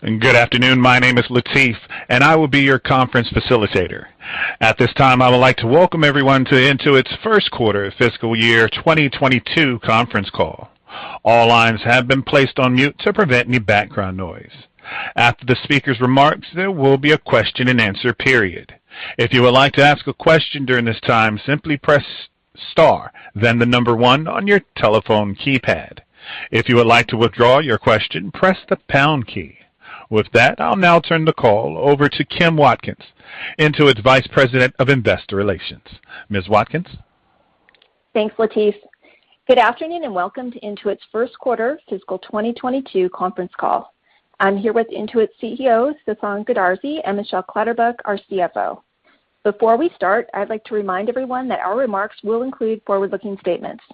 Good afternoon. My name is Latif, and I will be your conference facilitator. At this time, I would like to welcome everyone to Intuit's first quarter fiscal year 2022 conference call. All lines have been placed on mute to prevent any background noise. After the speaker's remarks, there will be a question-and-answer period. If you would like to ask a question during this time, simply press star then the number one on your telephone keypad. If you would like to withdraw your question, press the pound key. With that, I'll now turn the call over to Kim Watkins, Intuit's Vice President of Investor Relations. Ms. Watkins. Thanks, Latif. Good afternoon, and welcome to Intuit's first quarter fiscal 2022 conference call. I'm here with Intuit's CEO, Sasan Goodarzi, and Michelle Clatterbuck, our CFO. Before we start, I'd like to remind everyone that our remarks will include forward-looking statements.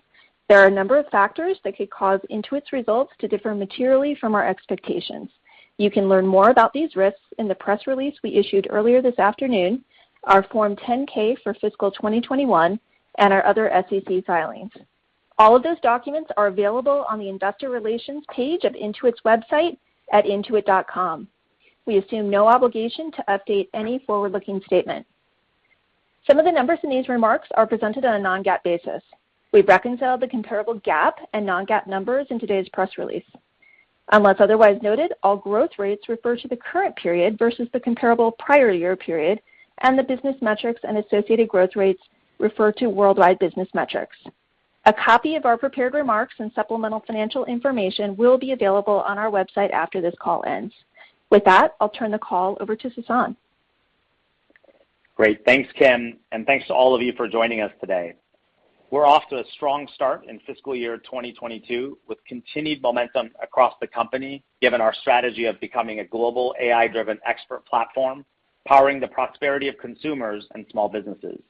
There are a number of factors that could cause Intuit's results to differ materially from our expectations. You can learn more about these risks in the press release we issued earlier this afternoon, our Form 10-K for fiscal 2021, and our other SEC filings. All of those documents are available on the investor relations page of Intuit's website at intuit.com. We assume no obligation to update any forward-looking statement. Some of the numbers in these remarks are presented on a non-GAAP basis. We've reconciled the comparable GAAP and non-GAAP numbers in today's press release. Unless otherwise noted, all growth rates refer to the current period versus the comparable prior year period, and the business metrics and associated growth rates refer to worldwide business metrics. A copy of our prepared remarks and supplemental financial information will be available on our website after this call ends. With that, I'll turn the call over to Sasan. Great. Thanks, Kim, and thanks to all of you for joining us today. We're off to a strong start in fiscal year 2022 with continued momentum across the company given our strategy of becoming a global AI-driven expert platform powering the prosperity of consumers and small businesses.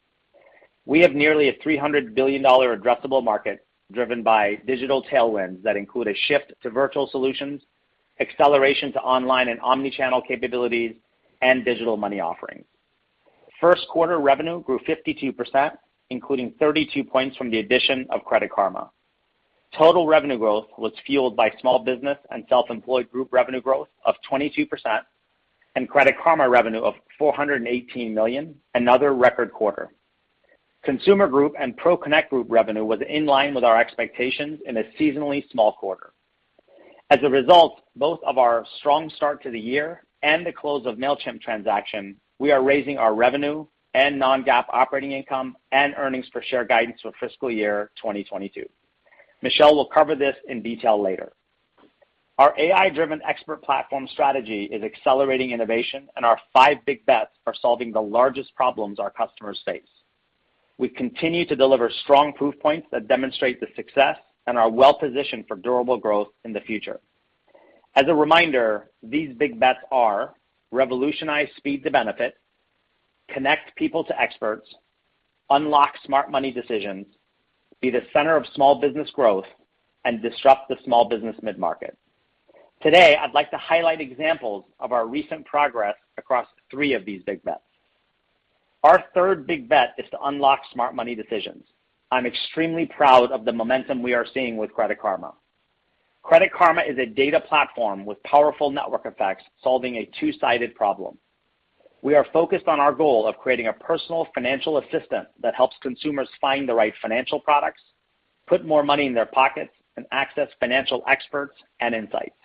We have nearly a $300 billion addressable market driven by digital tailwinds that include a shift to virtual solutions, acceleration to online and omni-channel capabilities, and digital money offerings. First quarter revenue grew 52%, including 32 points from the addition of Credit Karma. Total revenue growth was fueled by Small Business and Self-Employed Group revenue growth of 22% and Credit Karma revenue of $418 million, another record quarter. Consumer Group and ProConnect Group revenue was in line with our expectations in a seasonally small quarter. As a result of both our strong start to the year and the close of Mailchimp transaction, we are raising our revenue and non-GAAP operating income and earnings per share guidance for fiscal year 2022. Michelle will cover this in detail later. Our AI-driven expert platform strategy is accelerating innovation, and our five big bets are solving the largest problems our customers face. We continue to deliver strong proof points that demonstrate the success and are well-positioned for durable growth in the future. As a reminder, these big bets are revolutionize speed to benefit, connect people to experts, unlock smart money decisions, be the center of small business growth, and disrupt the small business mid-market. Today, I'd like to highlight examples of our recent progress across three of these big bets. Our third big bet is to unlock smart money decisions. I'm extremely proud of the momentum we are seeing with Credit Karma. Credit Karma is a data platform with powerful network effects solving a two-sided problem. We are focused on our goal of creating a personal financial assistant that helps consumers find the right financial products, put more money in their pockets, and access financial experts and insights.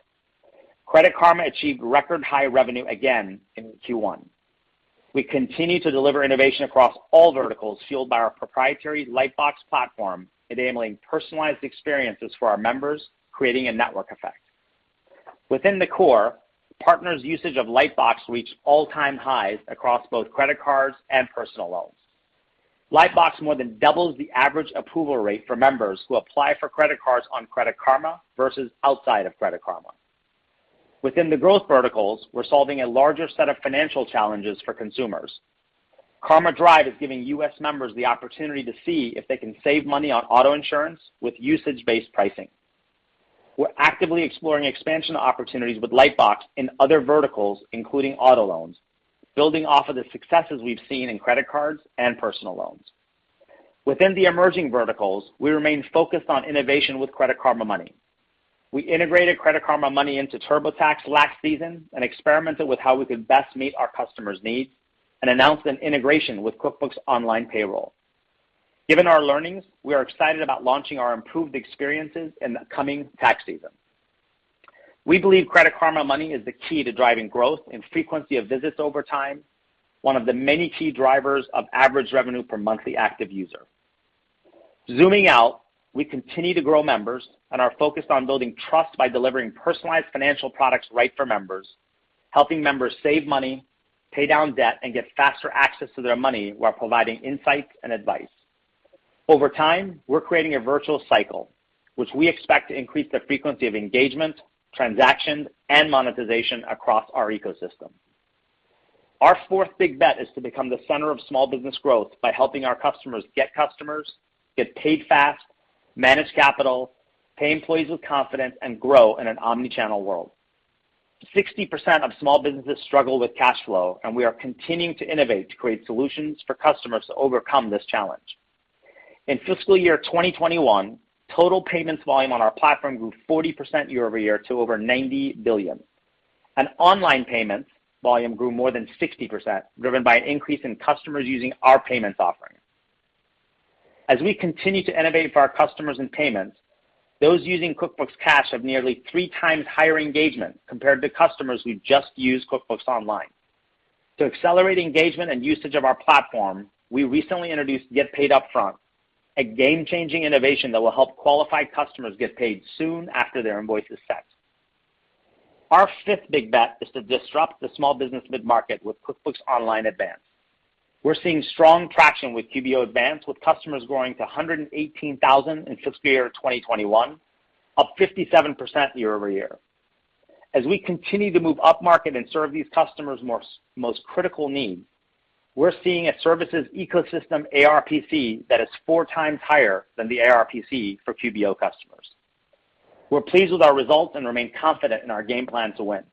Credit Karma achieved record high revenue again in Q1. We continue to deliver innovation across all verticals fueled by our proprietary Lightbox platform, enabling personalized experiences for our members, creating a network effect. Within the core, partners' usage of Lightbox reached all-time highs across both credit cards and personal loans. Lightbox more than doubles the average approval rate for members who apply for credit cards on Credit Karma versus outside of Credit Karma. Within the growth verticals, we're solving a larger set of financial challenges for consumers. Karma Drive is giving U.S. members the opportunity to see if they can save money on auto insurance with usage-based pricing. We're actively exploring expansion opportunities with Lightbox in other verticals, including auto loans, building off of the successes we've seen in credit cards and personal loans. Within the emerging verticals, we remain focused on innovation with Credit Karma Money. We integrated Credit Karma Money into TurboTax last season and experimented with how we could best meet our customers' needs and announced an integration with QuickBooks Online Payroll. Given our learnings, we are excited about launching our improved experiences in the coming tax season. We believe Credit Karma Money is the key to driving growth and frequency of visits over time, one of the many key drivers of average revenue per monthly active user. Zooming out, we continue to grow members and are focused on building trust by delivering personalized financial products right for members, helping members save money, pay down debt, and get faster access to their money while providing insights and advice. Over time, we're creating a virtuous cycle, which we expect to increase the frequency of engagement, transactions, and monetization across our ecosystem. Our fourth big bet is to become the center of small business growth by helping our customers get customers, get paid fast, manage capital, pay employees with confidence, and grow in an omni-channel world. 60% of small businesses struggle with cash flow, and we are continuing to innovate to create solutions for customers to overcome this challenge. In fiscal year 2021, total payments volume on our platform grew 40% year-over-year to over $90 billion. Online payments volume grew more than 60%, driven by an increase in customers using our payments offering. As we continue to innovate for our customers in payments, those using QuickBooks Cash have nearly 3x higher engagement compared to customers who just use QuickBooks Online. To accelerate engagement and usage of our platform, we recently introduced Get Paid Upfront, a game-changing innovation that will help qualified customers get paid soon after their invoice is sent. Our fifth big bet is to disrupt the small business mid-market with QuickBooks Online Advanced. We're seeing strong traction with QBO Advanced, with customers growing to 118,000 in fiscal year 2021, up 57% year-over-year. As we continue to move upmarket and serve these customers most critical needs, we're seeing a services ecosystem ARPC that is 4x higher than the ARPC for QBO customers. We're pleased with our results and remain confident in our game plan to win.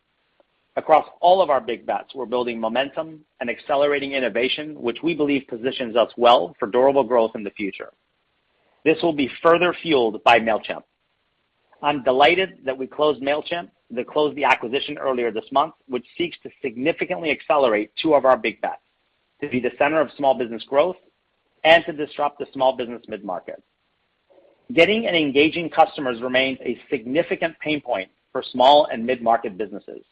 Across all of our big bets, we're building momentum and accelerating innovation, which we believe positions us well for durable growth in the future. This will be further fueled by Mailchimp. I'm delighted that we closed the Mailchimp acquisition earlier this month, which seeks to significantly accelerate two of our big bets, to be the center of small business growth and to disrupt the small business mid-market. Getting and engaging customers remains a significant pain point for small and mid-market businesses.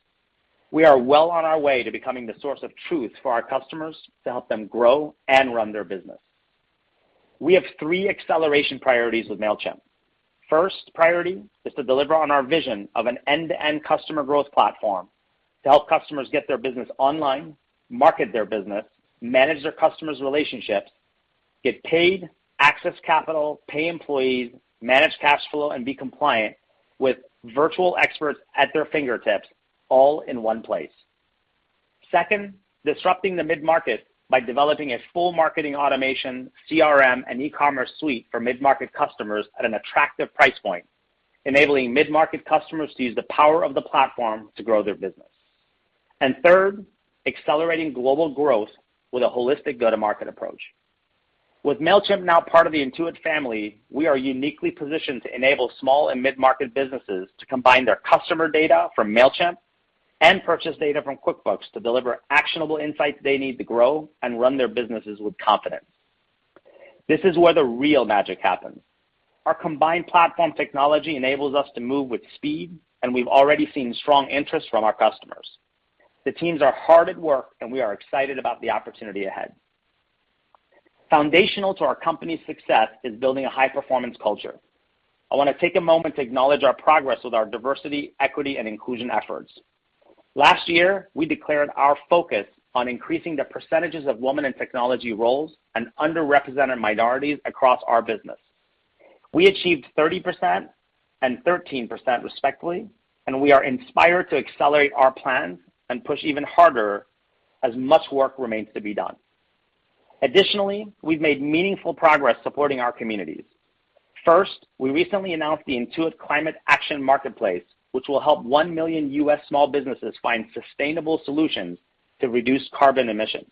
We are well on our way to becoming the source of truth for our customers to help them grow and run their business. We have three acceleration priorities with Mailchimp. First priority is to deliver on our vision of an end-to-end customer growth platform to help customers get their business online, market their business, manage their customers' relationships, get paid, access capital, pay employees, manage cash flow, and be compliant with virtual experts at their fingertips all in one place. Second, disrupting the mid-market by developing a full marketing automation CRM and e-commerce suite for mid-market customers at an attractive price point, enabling mid-market customers to use the power of the platform to grow their business. Third, accelerating global growth with a holistic go-to-market approach. With Mailchimp now part of the Intuit family, we are uniquely positioned to enable small and mid-market businesses to combine their customer data from Mailchimp and purchase data from QuickBooks to deliver actionable insights they need to grow and run their businesses with confidence. This is where the real magic happens. Our combined platform technology enables us to move with speed, and we've already seen strong interest from our customers. The teams are hard at work, and we are excited about the opportunity ahead. Foundational to our company's success is building a high-performance culture. I wanna take a moment to acknowledge our progress with our diversity, equity, and inclusion efforts. Last year, we declared our focus on increasing the percentages of women in technology roles and underrepresented minorities across our business. We achieved 30% and 13% respectively, and we are inspired to accelerate our plan and push even harder as much work remains to be done. Additionally, we've made meaningful progress supporting our communities. First, we recently announced the Intuit Climate Action Marketplace, which will help 1 million U.S. small businesses find sustainable solutions to reduce carbon emissions.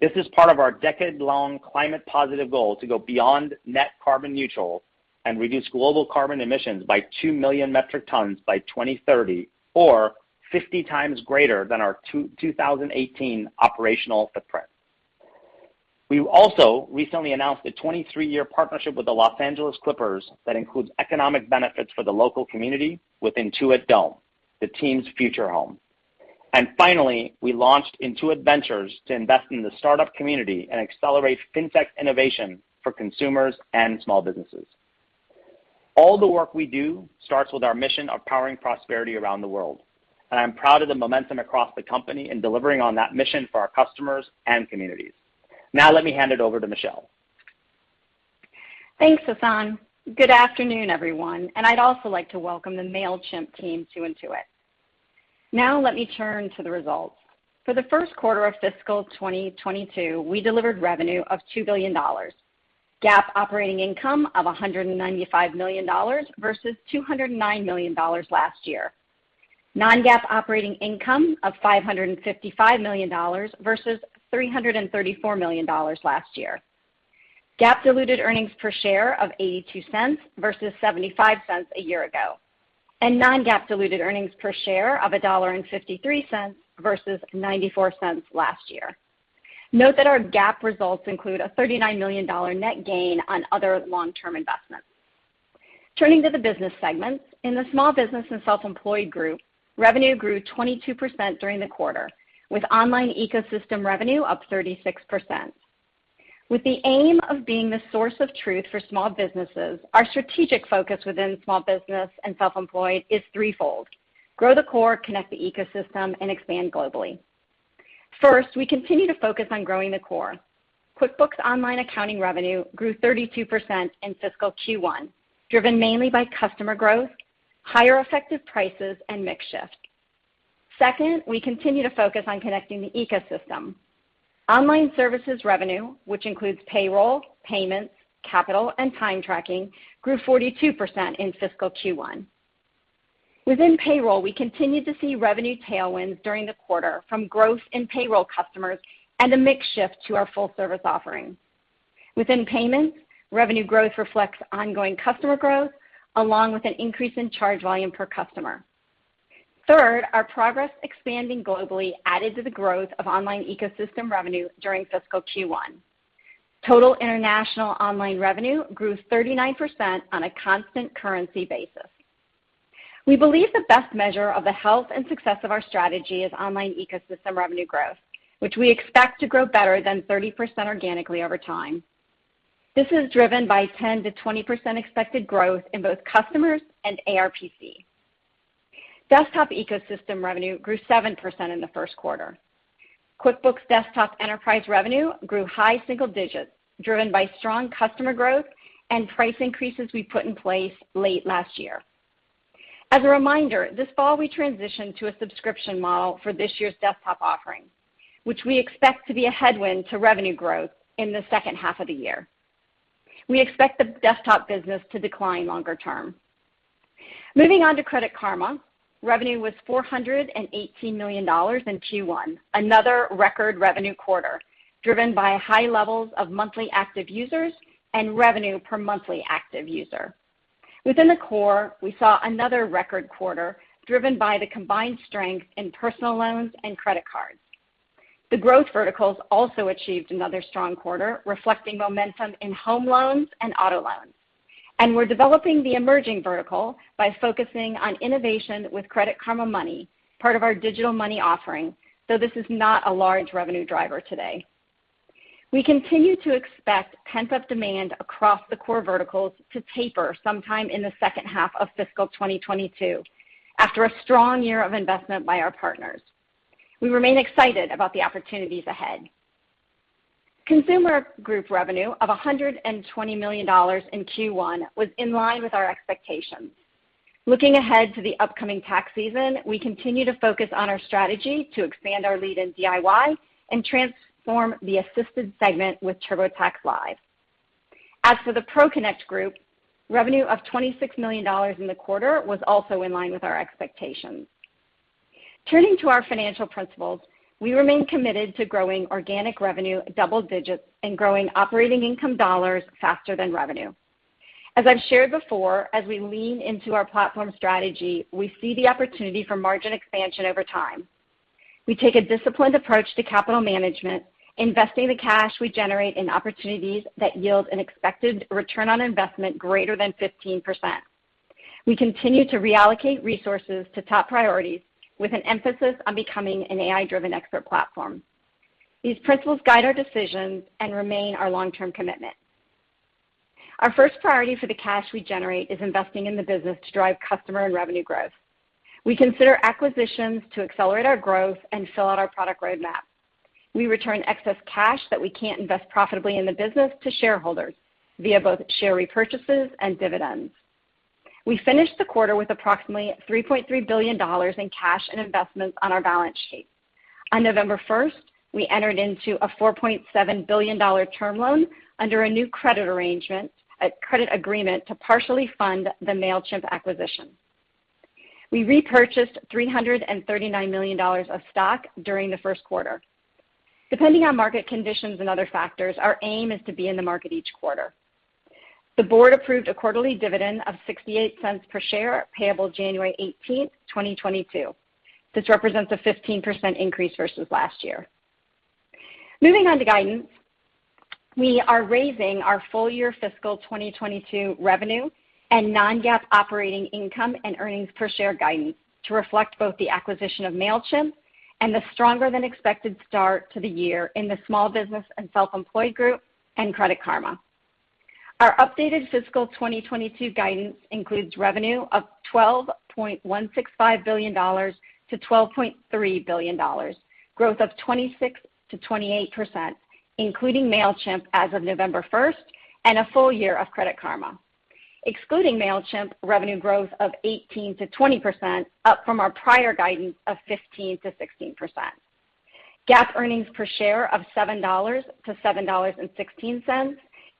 This is part of our decade-long climate positive goal to go beyond net carbon neutral and reduce global carbon emissions by 2 million metric tons by 2030 or 50x greater than our 2018 operational footprint. We also recently announced a 23-year partnership with the Los Angeles Clippers that includes economic benefits for the local community with Intuit Dome, the team's future home. Finally, we launched Intuit Ventures to invest in the startup community and accelerate fintech innovation for consumers and small businesses. All the work we do starts with our mission of powering prosperity around the world, and I'm proud of the momentum across the company in delivering on that mission for our customers and communities. Now let me hand it over to Michelle. Thanks, Sasan. Good afternoon, everyone, and I'd also like to welcome the Mailchimp team to Intuit. Now let me turn to the results. For the first quarter of fiscal 2022, we delivered revenue of $2 billion, GAAP operating income of $195 million versus $209 million last year. Non-GAAP operating income of $555 million versus $334 million last year. GAAP diluted earnings per share of $0.82 versus $0.75 a year ago, and non-GAAP diluted earnings per share of $1.53 versus $0.94 last year. Note that our GAAP results include a $39 million net gain on other long-term investments. Turning to the business segments, in the Small Business and Self-Employed Group, revenue grew 22% during the quarter, with online ecosystem revenue up 36%. With the aim of being the source of truth for small businesses, our strategic focus within Small Business and Self-Employed is threefold, grow the core, connect the ecosystem, and expand globally. First, we continue to focus on growing the core. QuickBooks Online accounting revenue grew 32% in fiscal Q1, driven mainly by customer growth, higher effective prices, and mix shift. Second, we continue to focus on connecting the ecosystem. Online services revenue, which includes payroll, payments, capital, and time tracking, grew 42% in fiscal Q1. Within payroll, we continued to see revenue tailwinds during the quarter from growth in payroll customers and a mix shift to our full service offerings. Within payments, revenue growth reflects ongoing customer growth, along with an increase in charge volume per customer. Third, our progress expanding globally added to the growth of online ecosystem revenue during fiscal Q1. Total international online revenue grew 39% on a constant currency basis. We believe the best measure of the health and success of our strategy is online ecosystem revenue growth, which we expect to grow better than 30% organically over time. This is driven by 10%-20% expected growth in both customers and ARPC. Desktop ecosystem revenue grew 7% in the first quarter. QuickBooks Desktop enterprise revenue grew high single digits, driven by strong customer growth and price increases we put in place late last year. As a reminder, this fall, we transitioned to a subscription model for this year's desktop offering, which we expect to be a headwind to revenue growth in the second half of the year. We expect the desktop business to decline longer term. Moving on to Credit Karma. Revenue was $418 million in Q1, another record revenue quarter, driven by high levels of monthly active users and revenue per monthly active user. Within the core, we saw another record quarter driven by the combined strength in personal loans and credit cards. The growth verticals also achieved another strong quarter, reflecting momentum in home loans and auto loans. We're developing the emerging vertical by focusing on innovation with Credit Karma Money, part of our digital money offering, though this is not a large revenue driver today. We continue to expect pent-up demand across the core verticals to taper sometime in the second half of fiscal 2022 after a strong year of investment by our partners. We remain excited about the opportunities ahead. Consumer Group revenue of $120 million in Q1 was in line with our expectations. Looking ahead to the upcoming tax season, we continue to focus on our strategy to expand our lead in DIY and transform the assisted segment with TurboTax Live. As for the ProConnect Group, revenue of $26 million in the quarter was also in line with our expectations. Turning to our financial principles, we remain committed to growing organic revenue double digits and growing operating income dollars faster than revenue. As I've shared before, as we lean into our platform strategy, we see the opportunity for margin expansion over time. We take a disciplined approach to capital management, investing the cash we generate in opportunities that yield an expected return on investment greater than 15%. We continue to reallocate resources to top priorities with an emphasis on becoming an AI-driven expert platform. These principles guide our decisions and remain our long-term commitment. Our first priority for the cash we generate is investing in the business to drive customer and revenue growth. We consider acquisitions to accelerate our growth and fill out our product roadmap. We return excess cash that we can't invest profitably in the business to shareholders via both share repurchases and dividends. We finished the quarter with approximately $3.3 billion in cash and investments on our balance sheet. On November 1st, we entered into a $4.7 billion term loan under a new credit arrangement, a credit agreement to partially fund the Mailchimp acquisition. We repurchased $339 million of stock during the first quarter. Depending on market conditions and other factors, our aim is to be in the market each quarter. The board approved a quarterly dividend of $0.68 per share, payable January 18th, 2022. This represents a 15% increase versus last year. Moving on to guidance. We are raising our full-year fiscal 2022 revenue and non-GAAP operating income and earnings per share guidance to reflect both the acquisition of Mailchimp and the stronger than expected start to the year in the Small Business and Self-Employed Group and Credit Karma. Our updated fiscal 2022 guidance includes revenue of $12.165 billion-$12.3 billion, growth of 26%-28%, including Mailchimp as of November 1st, and a full year of Credit Karma. Excluding Mailchimp, revenue growth of 18%-20%, up from our prior guidance of 15%-16%.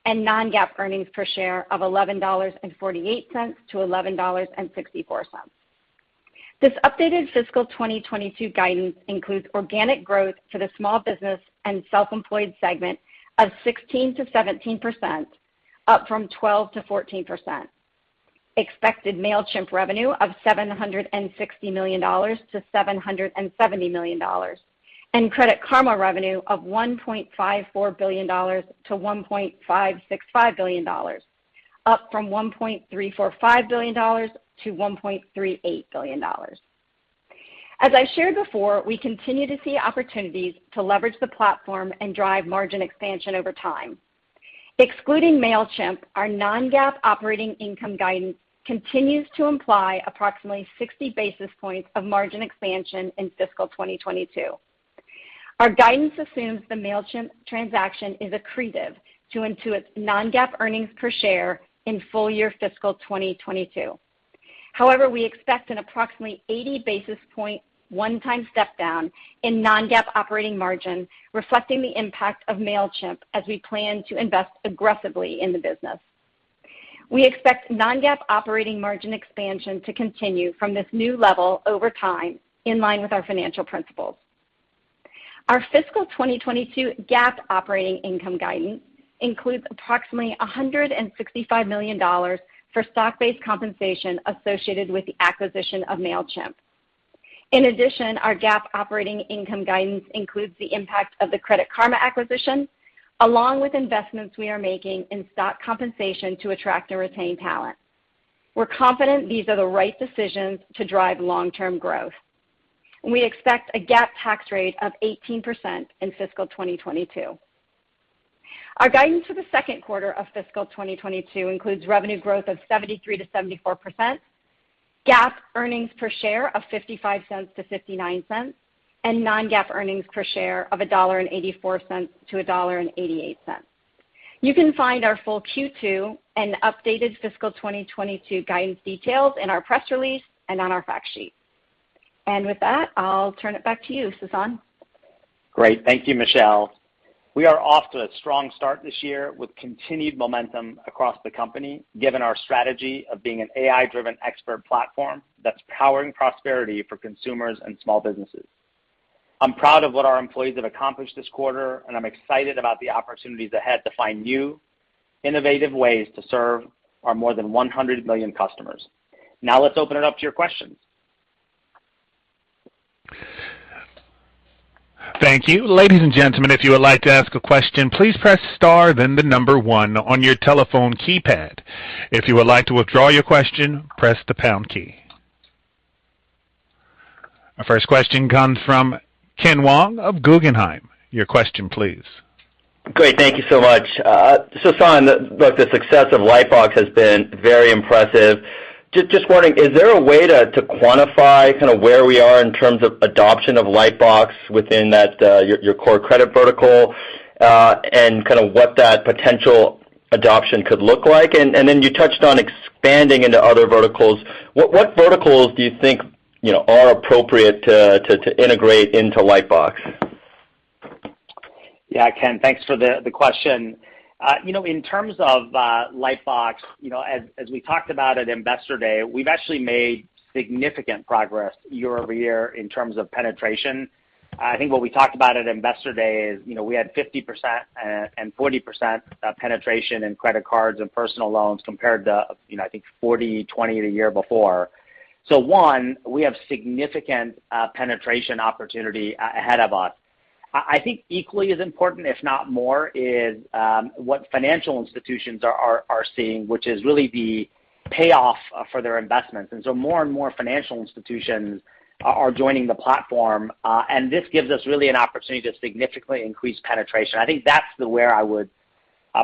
GAAP earnings per share of $7-$7.16, and non-GAAP earnings per share of $11.48-$11.64. This updated fiscal 2022 guidance includes organic growth for the Small Business and Self-Employed Group of 16%-17%, up from 12%-14%. Expected Mailchimp revenue of $760 million-$770 million, and Credit Karma revenue of $1.54 billion-$1.565 billion, up from $1.345 billion-$1.38 billion. We continue to see opportunities to leverage the platform and drive margin expansion over time. Excluding Mailchimp, our non-GAAP operating income guidance continues to imply approximately 60 basis points of margin expansion in fiscal 2022. Our guidance assumes the Mailchimp transaction is accretive to Intuit's non-GAAP earnings per share in full-year fiscal 2022. However, we expect an approximately 80 basis point one-time step down in non-GAAP operating margin, reflecting the impact of Mailchimp as we plan to invest aggressively in the business. We expect non-GAAP operating margin expansion to continue from this new level over time, in line with our financial principles. Our fiscal 2022 GAAP operating income guidance includes approximately $165 million for stock-based compensation associated with the acquisition of Mailchimp. In addition, our GAAP operating income guidance includes the impact of the Credit Karma acquisition, along with investments we are making in stock compensation to attract and retain talent. We're confident these are the right decisions to drive long-term growth. We expect a GAAP tax rate of 18% in fiscal 2022. Our guidance for the second quarter of fiscal 2022 includes revenue growth of 73%-74%, GAAP earnings per share of $0.55-$0.59, and non-GAAP earnings per share of $1.84-$1.88. You can find our full Q2 and updated fiscal 2022 guidance details in our press release and on our fact sheet. With that, I'll turn it back to you, Sasan. Great. Thank you, Michelle. We are off to a strong start this year with continued momentum across the company, given our strategy of being an AI-driven expert platform that's powering prosperity for consumers and small businesses. I'm proud of what our employees have accomplished this quarter, and I'm excited about the opportunities ahead to find new, innovative ways to serve our more than 100 million customers. Now let's open it up to your questions. Thank you. Ladies and gentlemen, if you would like to ask a question, please press star then the number one on your telephone keypad. If you would like to withdraw your question, press the pound key. Our first question comes from Ken Wong of Guggenheim. Your question, please. Great. Thank you so much. Sasan, the success of Lightbox has been very impressive. Just wondering, is there a way to quantify kinda where we are in terms of adoption of Lightbox within that, your core credit vertical, and kinda what that potential adoption could look like? Then you touched on expanding into other verticals. What verticals do you think, you know, are appropriate to integrate into Lightbox? Yeah, Ken, thanks for the question. You know, in terms of Lightbox, you know, as we talked about at Investor Day, we've actually made significant progress year-over-year in terms of penetration. I think what we talked about at Investor Day is, you know, we had 50% and 40% penetration in credit cards and personal loans compared to, you know, I think 40%, 20% the year before. One, we have significant penetration opportunity ahead of us. I think equally as important, if not more, is what financial institutions are seeing, which is really the payoff for their investments. More and more financial institutions are joining the platform, and this gives us really an opportunity to significantly increase penetration. I think that's where I would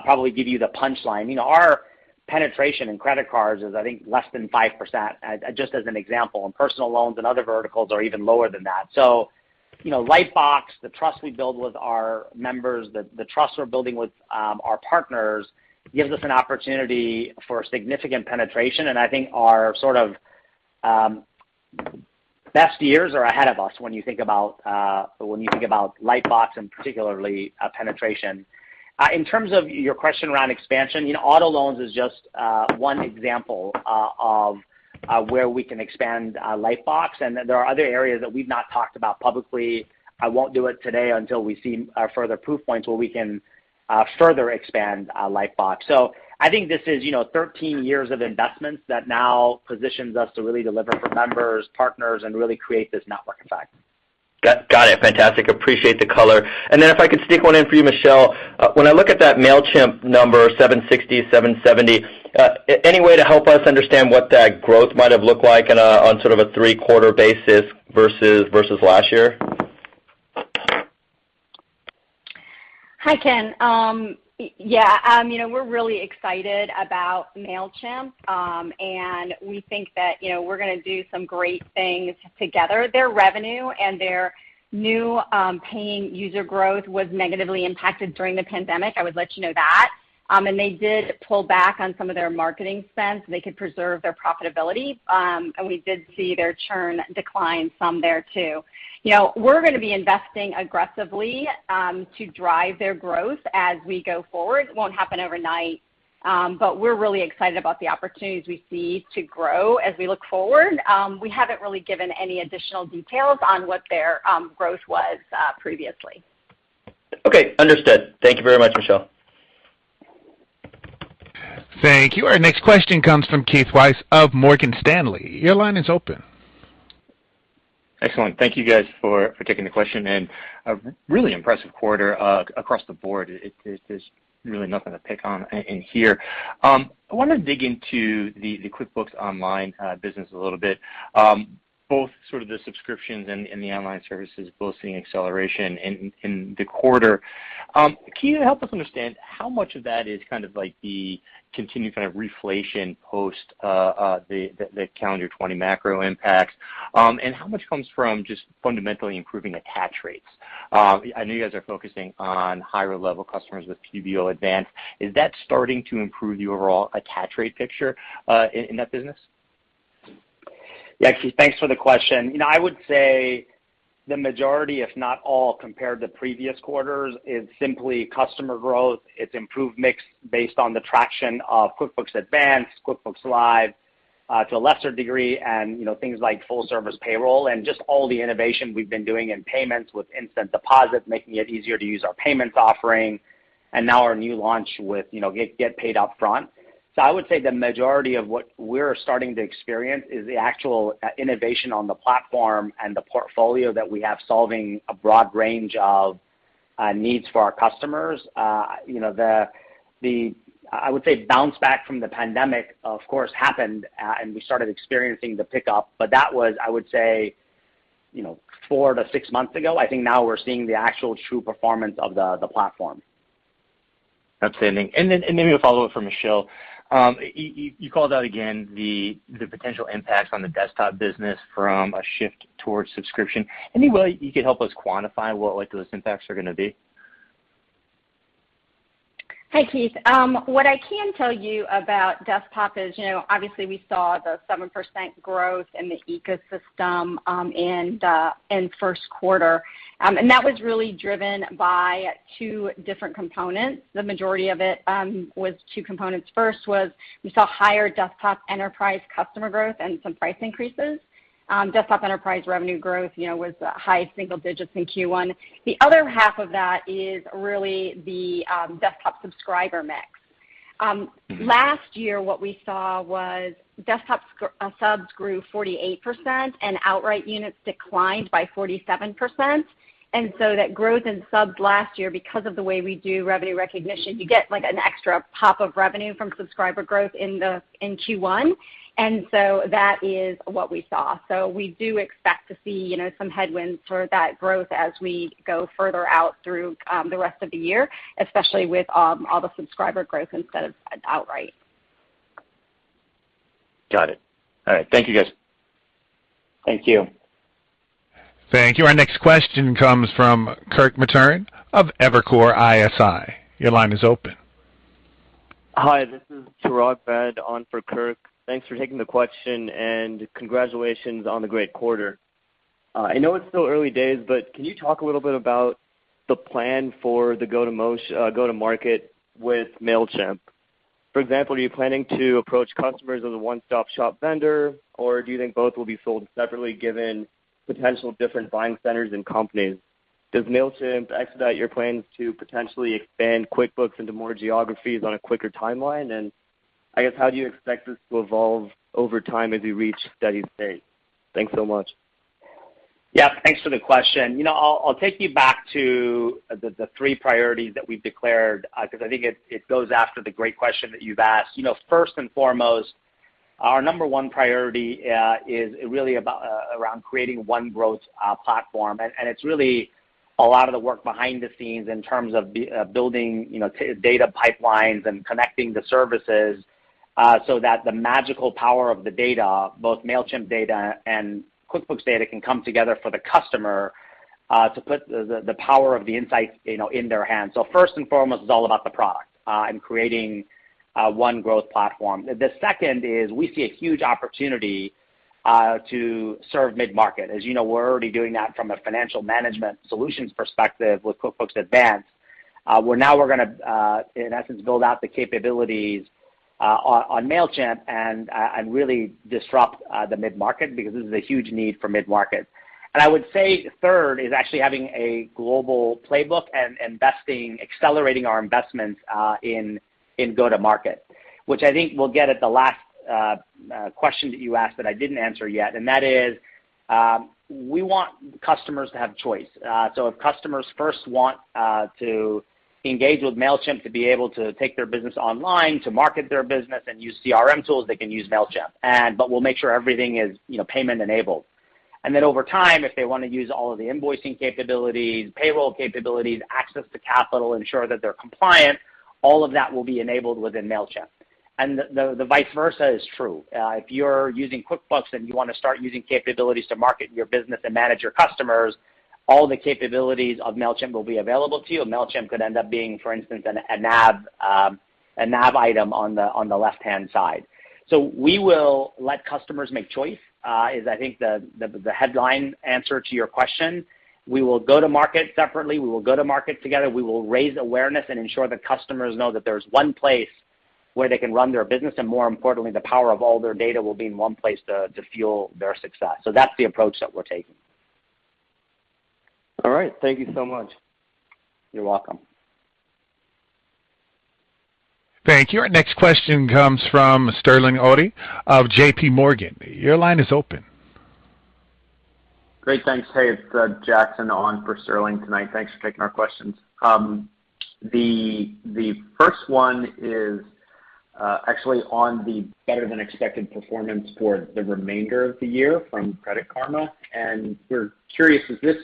probably give you the punchline. You know, our penetration in credit cards is I think less than 5%, just as an example, and personal loans and other verticals are even lower than that. You know, Lightbox, the trust we build with our members, the trust we're building with our partners gives us an opportunity for significant penetration. I think our sort of best years are ahead of us when you think about Lightbox and particularly penetration. In terms of your question around expansion, you know, auto loans is just one example of where we can expand Lightbox, and there are other areas that we've not talked about publicly. I won't do it today until we see further proof points where we can further expand Lightbox. I think this is, you know, 13 years of investments that now positions us to really deliver for members, partners, and really create this network effect. Got it. Fantastic. Appreciate the color. Then if I could stick one in for you, Michelle. When I look at that Mailchimp number, $760 million-$770 million any way to help us understand what that growth might have looked like on sort of a three-quarter basis versus last year? Hi, Ken. Yeah. You know, we're really excited about Mailchimp, and we think that, you know, we're gonna do some great things together. Their revenue and their new paying user growth was negatively impacted during the pandemic, I would let you know that. They did pull back on some of their marketing spends so they could preserve their profitability, and we did see their churn decline some there too. You know, we're gonna be investing aggressively to drive their growth as we go forward. It won't happen overnight, but we're really excited about the opportunities we see to grow as we look forward. We haven't really given any additional details on what their growth was previously. Okay. Understood. Thank you very much, Michelle. Thank you. Our next question comes from Keith Weiss of Morgan Stanley. Your line is open. Excellent. Thank you guys for taking the question. Really impressive quarter across the board. There's really nothing to pick on in here. I wanna dig into the QuickBooks Online business a little bit. Both sort of the subscriptions and the online services both seeing acceleration in the quarter. Can you help us understand how much of that is kind of like the continued kind of reflation post the calendar 2020 macro impacts, and how much comes from just fundamentally improving attach rates? I know you guys are focusing on higher level customers with QuickBooks Online Advanced. Is that starting to improve the overall attach rate picture in that business? Yeah, Keith, thanks for the question. You know, I would say the majority, if not all, compared to previous quarters is simply customer growth. It's improved mix based on the traction of QuickBooks Advanced, QuickBooks Live, to a lesser degree and, you know, things like full service payroll and just all the innovation we've been doing in payments with instant deposit, making it easier to use our payments offering, and now our new launch with, you know, Get Paid Upfront. I would say the majority of what we're starting to experience is the actual innovation on the platform and the portfolio that we have, solving a broad range of needs for our customers. You know, I would say, the bounce back from the pandemic, of course, happened, and we started experiencing the pickup, but that was, I would say, you know, 4-6 months ago. I think now we're seeing the actual true performance of the platform. Understanding. Then maybe a follow-up from Michelle. You called out again the potential impact on the desktop business from a shift towards subscription. Any way you could help us quantify what, like, those impacts are gonna be? Hi, Keith. What I can tell you about desktop is, you know, obviously we saw the 7% growth in the ecosystem in first quarter. That was really driven by two different components. The majority of it was two components. First was we saw higher desktop enterprise customer growth and some price increases. Desktop enterprise revenue growth, you know, was high single digits in Q1. The other half of that is really the desktop subscriber mix. Mm-hmm. Last year, what we saw was desktop subs grew 48% and outright units declined by 47%. That growth in subs last year, because of the way we do revenue recognition, you get, like, an extra pop of revenue from subscriber growth in the, in Q1. That is what we saw. We do expect to see, you know, some headwinds for that growth as we go further out through the rest of the year, especially with all the subscriber growth instead of outright. Got it. All right. Thank you, guys. Thank you. Thank you. Our next question comes from Kirk Materne of Evercore ISI. Your line is open. Hi, this is Chirag Ved on for Kirk. Thanks for taking the question, and congratulations on the great quarter. I know it's still early days, but can you talk a little bit about the plan for the go-to-market with Mailchimp? For example, are you planning to approach customers as a one-stop-shop vendor, or do you think both will be sold separately given potential different buying centers and companies? Does Mailchimp expedite your plans to potentially expand QuickBooks into more geographies on a quicker timeline? I guess, how do you expect this to evolve over time as you reach steady state? Thanks so much. Yeah, thanks for the question. You know, I'll take you back to the three priorities that we've declared, 'cause I think it goes after the great question that you've asked. You know, first and foremost, our number one priority is really about around creating one growth platform. It's really a lot of the work behind the scenes in terms of building, you know, data pipelines and connecting the services, so that the magical power of the data, both Mailchimp data and QuickBooks data, can come together for the customer to put the power of the insights, you know, in their hands. First and foremost is all about the product and creating one growth platform. The second is we see a huge opportunity to serve mid-market. As you know, we're already doing that from a financial management solutions perspective with QuickBooks Advanced. We're now gonna, in essence, build out the capabilities on Mailchimp and really disrupt the mid-market because this is a huge need for mid-market. I would say third is actually having a global playbook and investing, accelerating our investments in go-to-market, which I think will get at the last question that you asked that I didn't answer yet, and that is, we want customers to have choice. So if customers first want to engage with Mailchimp to be able to take their business online, to market their business and use CRM tools, they can use Mailchimp. But we'll make sure everything is, you know, payment-enabled. Over time, if they wanna use all of the invoicing capabilities, payroll capabilities, access to capital, ensure that they're compliant, all of that will be enabled within Mailchimp. The vice versa is true. If you're using QuickBooks and you wanna start using capabilities to market your business and manage your customers, all the capabilities of Mailchimp will be available to you, and Mailchimp could end up being, for instance, a nav item on the left-hand side. We will let customers make choice is I think the headline answer to your question. We will go to market separately. We will go to market together. We will raise awareness and ensure that customers know that there's one place where they can run their business, and more importantly, the power of all their data will be in one place to fuel their success. That's the approach that we're taking. All right. Thank you so much. You're welcome. Thank you. Our next question comes from Sterling Auty of J.P. Morgan. Your line is open. Great. Thanks. Hey, it's Jackson on for Sterling tonight. Thanks for taking our questions. The first one is actually on the better than expected performance for the remainder of the year from Credit Karma. We're curious, is this,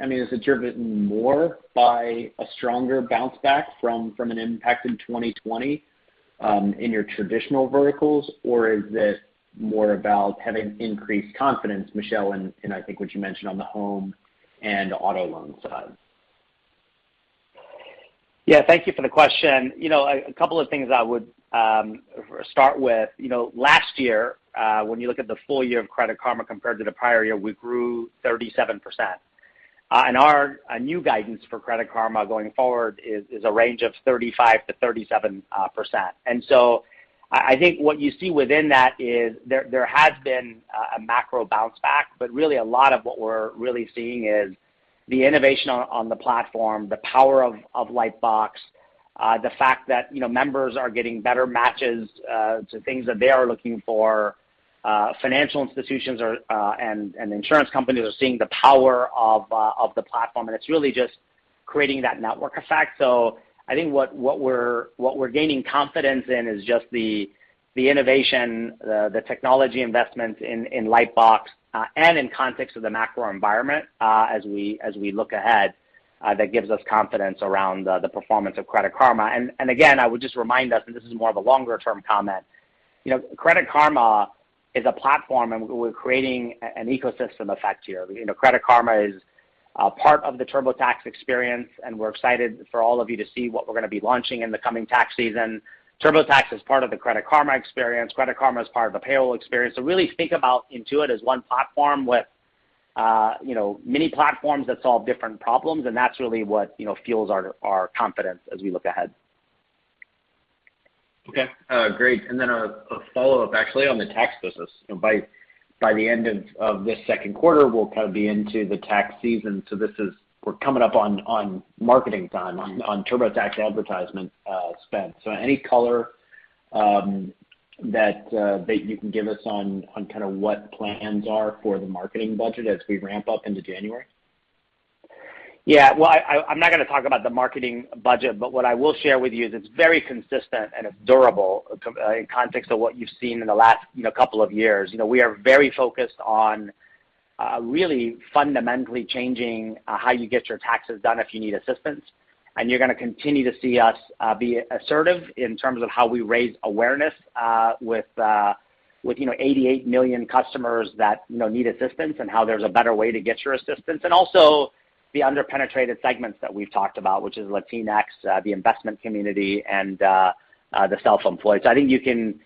I mean, is it driven more by a stronger bounce back from an impact in 2020 in your traditional verticals, or is this more about having increased confidence, Michelle, in I think what you mentioned on the home and auto loan side? Yeah. Thank you for the question. You know, a couple of things I would start with. You know, last year, when you look at the full year of Credit Karma compared to the prior year, we grew 37%. Our new guidance for Credit Karma going forward is a range of 35%-37%. I think what you see within that is there has been a macro bounce back, but really a lot of what we're really seeing is the innovation on the platform, the power of Lightbox, the fact that, you know, members are getting better matches to things that they are looking for. Financial institutions and insurance companies are seeing the power of the platform, and it's really just creating that network effect. I think what we're gaining confidence in is just the innovation, the technology investments in Lightbox, and in context of the macro environment, as we look ahead, that gives us confidence around the performance of Credit Karma. Again, I would just remind us, and this is more of a longer term comment, you know, Credit Karma is a platform, and we're creating an ecosystem effect here. You know, Credit Karma is part of the TurboTax experience, and we're excited for all of you to see what we're gonna be launching in the coming tax season. TurboTax is part of the Credit Karma experience. Credit Karma is part of a payroll experience. Really think about Intuit as one platform with, you know, many platforms that solve different problems, and that's really what, you know, fuels our confidence as we look ahead. Okay. Great. A follow-up actually on the tax business. You know, by the end of this second quarter, we'll kind of be into the tax season. We're coming up on marketing time on TurboTax advertising spend. Any color that you can give us on kind of what plans are for the marketing budget as we ramp up into January? Yeah. Well, I'm not gonna talk about the marketing budget, but what I will share with you is it's very consistent and it's durable in context of what you've seen in the last, you know, couple of years. You know, we are very focused on really fundamentally changing how you get your taxes done if you need assistance. You're gonna continue to see us be assertive in terms of how we raise awareness with you know, 88 million customers that you know, need assistance and how there's a better way to get your assistance. Also the under-penetrated segments that we've talked about, which is Latinx, the investment community and the self-employed. I think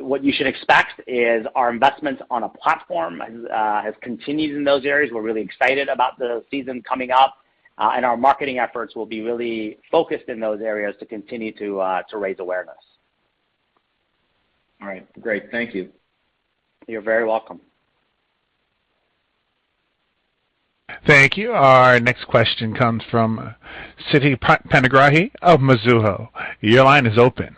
what you should expect is our investments on a platform has continued in those areas. We're really excited about the season coming up, and our marketing efforts will be really focused in those areas to continue to raise awareness. All right. Great. Thank you. You're very welcome. Thank you. Our next question comes from Siti Panigrahi of Mizuho. Your line is open.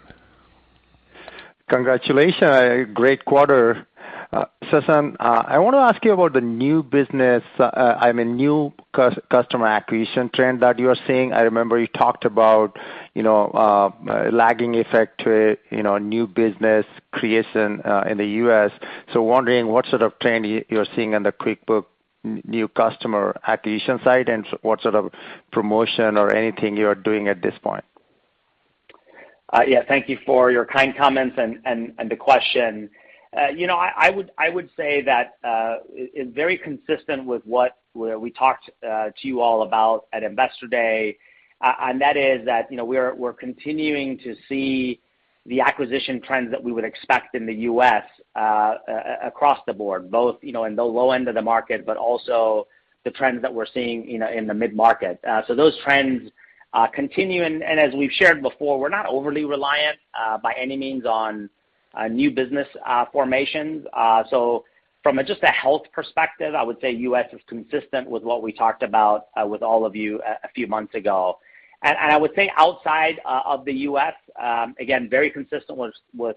Congratulations. Great quarter. Sasan, I wanna ask you about the new business, I mean, new customer acquisition trend that you are seeing. I remember you talked about, you know, lagging effect to, you know, new business creation, in the U.S. Wondering what sort of trend you're seeing on the QuickBooks new customer acquisition side, and what sort of promotion or anything you are doing at this point. Yeah. Thank you for your kind comments and the question. You know, I would say that it's very consistent with what we talked to you all about at Investor Day. That is that you know, we're continuing to see the acquisition trends that we would expect in the U.S., across the board, both you know, in the low end of the market, but also the trends that we're seeing you know, in the mid-market. Those trends continue. As we've shared before, we're not overly reliant by any means on new business formations. From just a health perspective, I would say U.S. is consistent with what we talked about with all of you a few months ago. I would say outside of the U.S., again, very consistent with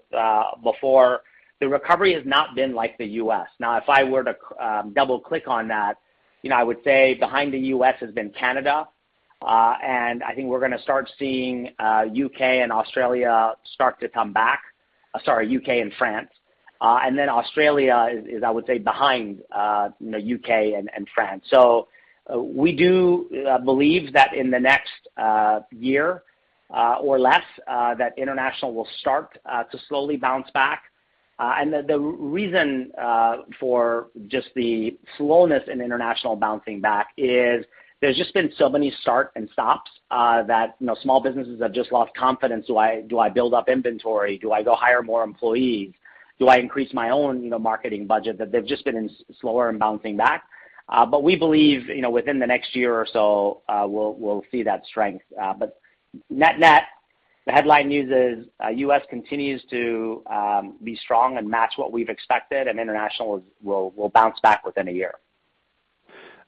before, the recovery has not been like the U.S. Now, if I were to double-click on that, you know, I would say behind the U.S. has been Canada. I think we're gonna start seeing U.K. and Australia start to come back. Sorry, U.K. and France. Australia is I would say behind, you know, U.K. and France. We do believe that in the next year or less that international will start to slowly bounce back. The reason for just the slowness in international bouncing back is there's just been so many start and stops that, you know, small businesses have just lost confidence. Do I build up inventory? Do I go hire more employees? Do I increase my own, you know, marketing budget? That they've just been slower in bouncing back. We believe, you know, within the next year or so, we'll see that strength. Net-net, the headline news is, U.S. continues to be strong and match what we've expected and International will bounce back within a year.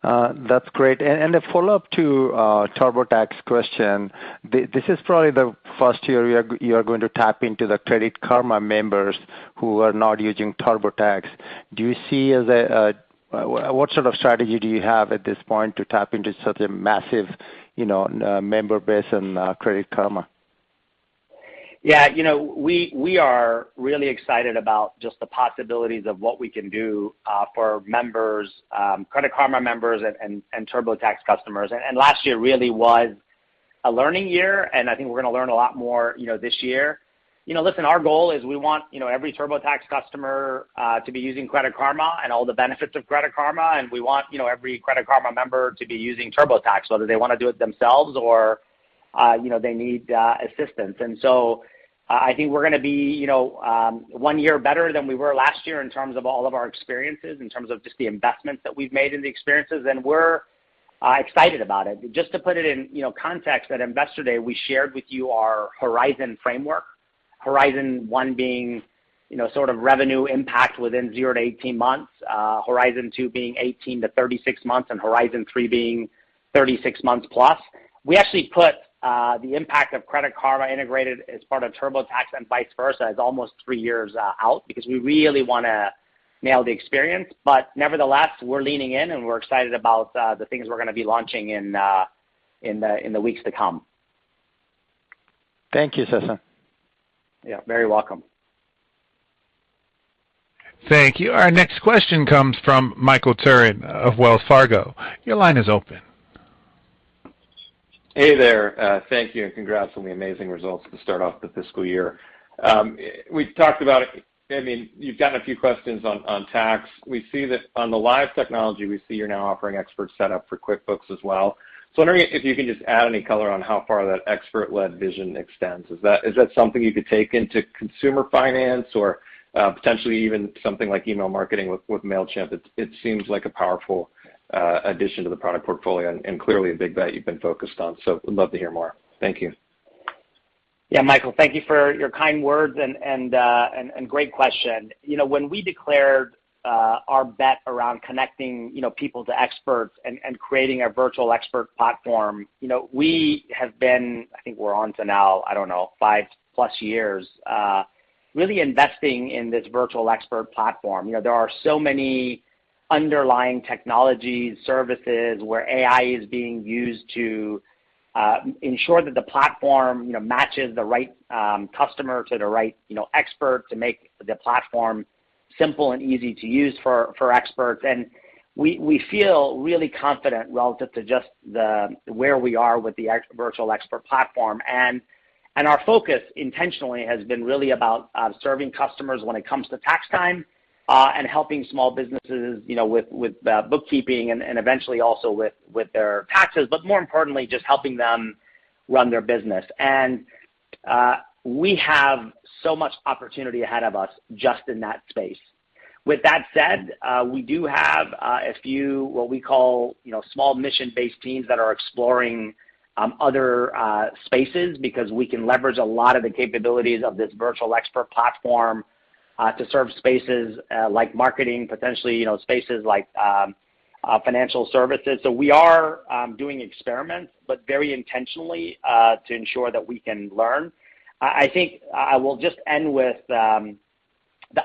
That's great. A follow-up to TurboTax question. This is probably the first year you are going to tap into the Credit Karma members who are not using TurboTax. What sort of strategy do you have at this point to tap into such a massive, you know, member base in Credit Karma? Yeah. You know, we are really excited about just the possibilities of what we can do for members, Credit Karma members and TurboTax customers. Last year really was a learning year, and I think we're gonna learn a lot more, you know, this year. You know, listen, our goal is we want, you know, every TurboTax customer to be using Credit Karma and all the benefits of Credit Karma. We want, you know, every Credit Karma member to be using TurboTax, whether they wanna do it themselves or you know, they need assistance. I think we're gonna be, you know, one year better than we were last year in terms of all of our experiences, in terms of just the investments that we've made in the experiences, and we're excited about it. Just to put it in, you know, context, at Investor Day, we shared with you our Horizon framework. Horizon 1 being, you know, sort of revenue impact within 0-18 months, Horizon 2 being 18-36 months, and Horizon 3 being 36 months plus. We actually put the impact of Credit Karma integrated as part of TurboTax and vice versa as almost three years out because we really wanna nail the experience. Nevertheless, we're leaning in, and we're excited about the things we're gonna be launching in the weeks to come. Thank you, Sasan. Yeah, very welcome. Thank you. Our next question comes from Michael Turrin of Wells Fargo. Your line is open. Hey there. Thank you, and congrats on the amazing results to start off the fiscal year. We've talked about, I mean, you've gotten a few questions on tax. We see that on the live technology you're now offering expert setup for QuickBooks as well. I'm wondering if you can just add any color on how far that expert-led vision extends. Is that something you could take into consumer finance or potentially even something like email marketing with Mailchimp? It seems like a powerful addition to the product portfolio and clearly a big bet you've been focused on. Would love to hear more. Thank you. Yeah, Michael, thank you for your kind words and great question. You know, when we declared our bet around connecting, you know, people to experts and creating our virtual expert platform, you know, we have been, I think we're on to now, I don't know, 5+ years really investing in this virtual expert platform. You know, there are so many underlying technologies, services where AI is being used to ensure that the platform, you know, matches the right customer to the right, you know, expert to make the platform simple and easy to use for experts. We feel really confident relative to just the where we are with the virtual expert platform. Our focus intentionally has been really about serving customers when it comes to tax time, and helping small businesses, you know, with bookkeeping and eventually also with their taxes, but more importantly, just helping them run their business. We have so much opportunity ahead of us just in that space. With that said, we do have a few what we call, you know, small mission-based teams that are exploring other spaces because we can leverage a lot of the capabilities of this virtual expert platform to serve spaces like marketing, potentially, you know, spaces like financial services. We are doing experiments, but very intentionally to ensure that we can learn. I think I will just end with the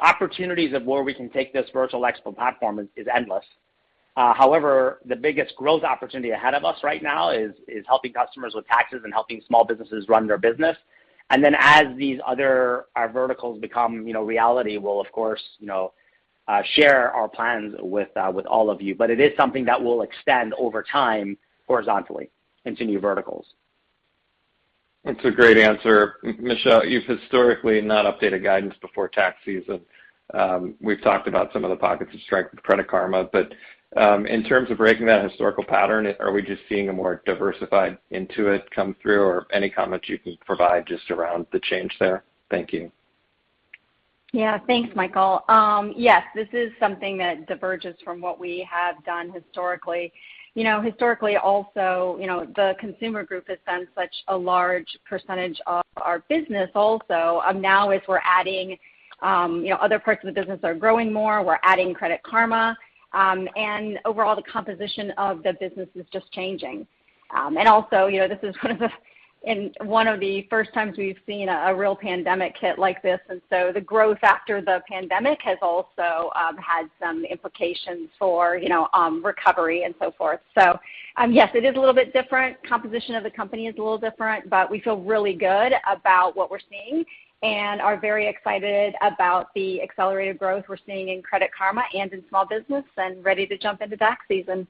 opportunities of where we can take this virtual expert platform is endless. However, the biggest growth opportunity ahead of us right now is helping customers with taxes and helping small businesses run their business. Then as these other verticals become, you know, reality, we'll of course, you know, share our plans with with all of you. It is something that will extend over time horizontally into new verticals. That's a great answer. Michelle, you've historically not updated guidance before tax season. We've talked about some of the pockets of strength with Credit Karma, but in terms of breaking that historical pattern, are we just seeing a more diversified Intuit come through? Or any comment you can provide just around the change there? Thank you. Yeah. Thanks, Michael. Yes, this is something that diverges from what we have done historically. You know, historically also, you know, the Consumer Group has been such a large percentage of our business also. Now as we're adding, you know, other parts of the business are growing more, we're adding Credit Karma, and overall the composition of the business is just changing. Also, you know, this is one of the first times we've seen a real pandemic hit like this, and so the growth after the pandemic has also had some implications for, you know, recovery and so forth. Yes, it is a little bit different. Composition of the company is a little different, but we feel really good about what we're seeing and are very excited about the accelerated growth we're seeing in Credit Karma and in small business and ready to jump into tax season.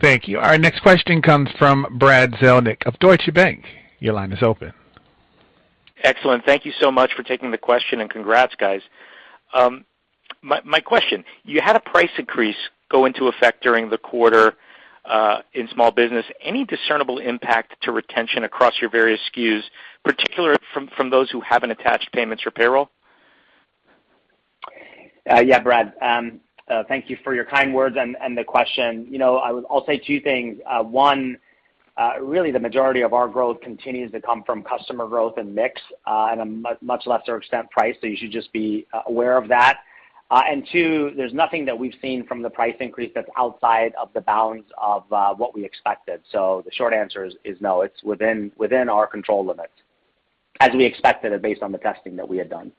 Thank you. Our next question comes from Brad Zelnick of Deutsche Bank. Your line is open. Excellent. Thank you so much for taking the question, and congrats, guys. My question, you had a price increase go into effect during the quarter in small business. Any discernible impact to retention across your various SKUs, particularly from those who haven't attached payments or payroll? Yeah, Brad. Thank you for your kind words and the question. You know, I'll say two things. One, really the majority of our growth continues to come from customer growth and mix, at a much lesser extent price, so you should just be aware of that. Two, there's nothing that we've seen from the price increase that's outside of the bounds of what we expected. The short answer is no, it's within our control limits, as we expected it based on the testing that we had done.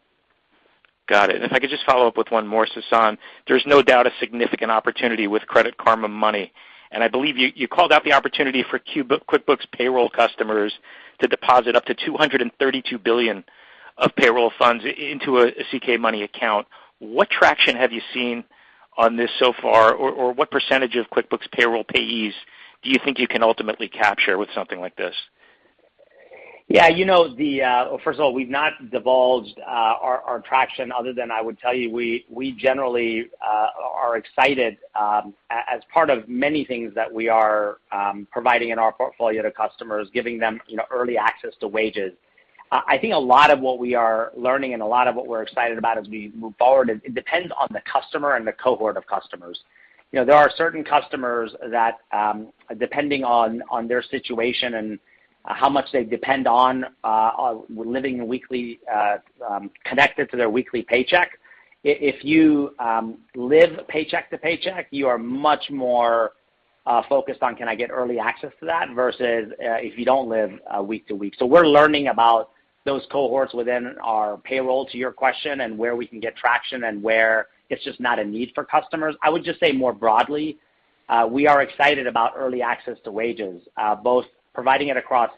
Got it. If I could just follow up with one more, Sasan. There's no doubt a significant opportunity with Credit Karma Money, and I believe you called out the opportunity for QuickBooks payroll customers to deposit up to $232 billion of payroll funds into a CK Money account. What traction have you seen on this so far, or what percentage of QuickBooks payroll payees do you think you can ultimately capture with something like this? Yeah. You know, first of all, we've not divulged our traction other than I would tell you, we generally are excited as part of many things that we are providing in our portfolio to customers, giving them, you know, early access to wages. I think a lot of what we are learning and a lot of what we're excited about as we move forward, it depends on the customer and the cohort of customers. You know, there are certain customers that, depending on their situation and how much they depend on living weekly connected to their weekly paycheck. If you live paycheck to paycheck, you are much more focused on can I get early access to that versus if you don't live week to week. We're learning about those cohorts within our payroll, to your question, and where we can get traction and where it's just not a need for customers. I would just say more broadly, we are excited about early access to wages, both providing it across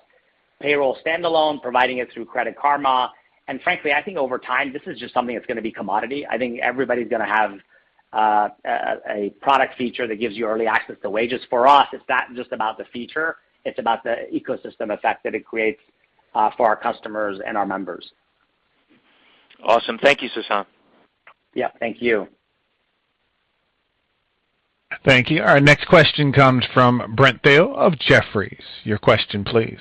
payroll standalone, providing it through Credit Karma. Frankly, I think over time, this is just something that's gonna be commodity. I think everybody's gonna have a product feature that gives you early access to wages. For us, it's not just about the feature, it's about the ecosystem effect that it creates, for our customers and our members. Awesome. Thank you, Sasan. Yeah. Thank you. Thank you. Our next question comes from Brent Thill of Jefferies. Your question, please.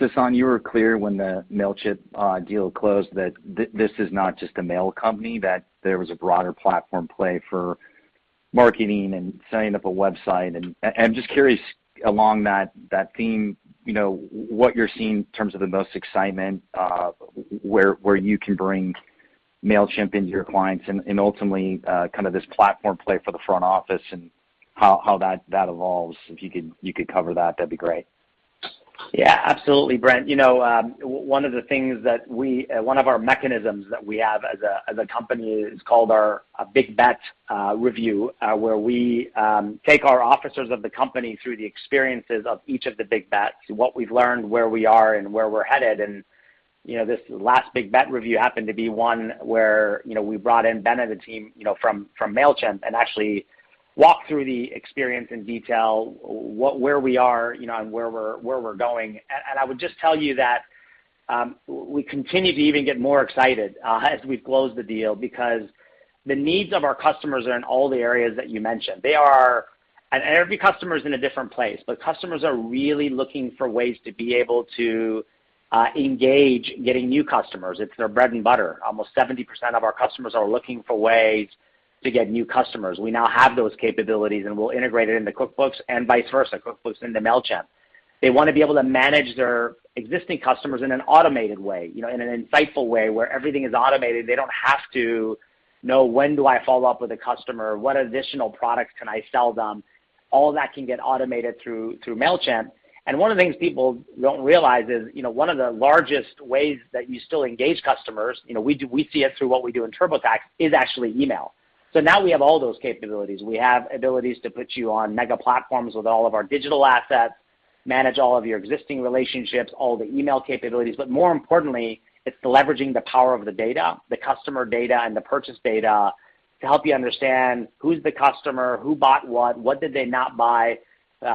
Sasan, you were clear when the Mailchimp deal closed that this is not just a mail company, that there was a broader platform play for marketing and setting up a website. I'm just curious along that theme, you know, what you're seeing in terms of the most excitement, where you can bring Mailchimp into your clients and ultimately kind of this platform play for the front office and how that evolves. If you could cover that'd be great. Yeah. Absolutely, Brent. You know, one of the things that we have as a company is called our Big Bet Review, where we take our officers of the company through the experiences of each of the big bets, what we've learned, where we are, and where we're headed. You know, this last Big Bet Review happened to be one where, you know, we brought in Ben and the team, you know, from Mailchimp, and actually walked through the experience in detail, where we are, you know, and where we're going. I would just tell you that, we continue to even get more excited, as we've closed the deal because the needs of our customers are in all the areas that you mentioned. They are. Every customer is in a different place, but customers are really looking for ways to be able to engage getting new customers. It's their bread and butter. Almost 70% of our customers are looking for ways to get new customers. We now have those capabilities, and we'll integrate it into QuickBooks and vice versa, QuickBooks into Mailchimp. They wanna be able to manage their existing customers in an automated way, you know, in an insightful way where everything is automated. They don't have to know when do I follow up with a customer? What additional products can I sell them? All that can get automated through Mailchimp. One of the things people don't realize is, you know, one of the largest ways that you still engage customers, you know, we see it through what we do in TurboTax, is actually email. Now we have all those capabilities. We have abilities to put you on mega platforms with all of our digital assets, manage all of your existing relationships, all the email capabilities. More importantly, it's leveraging the power of the data, the customer data and the purchase data to help you understand who's the customer, who bought what did they not buy,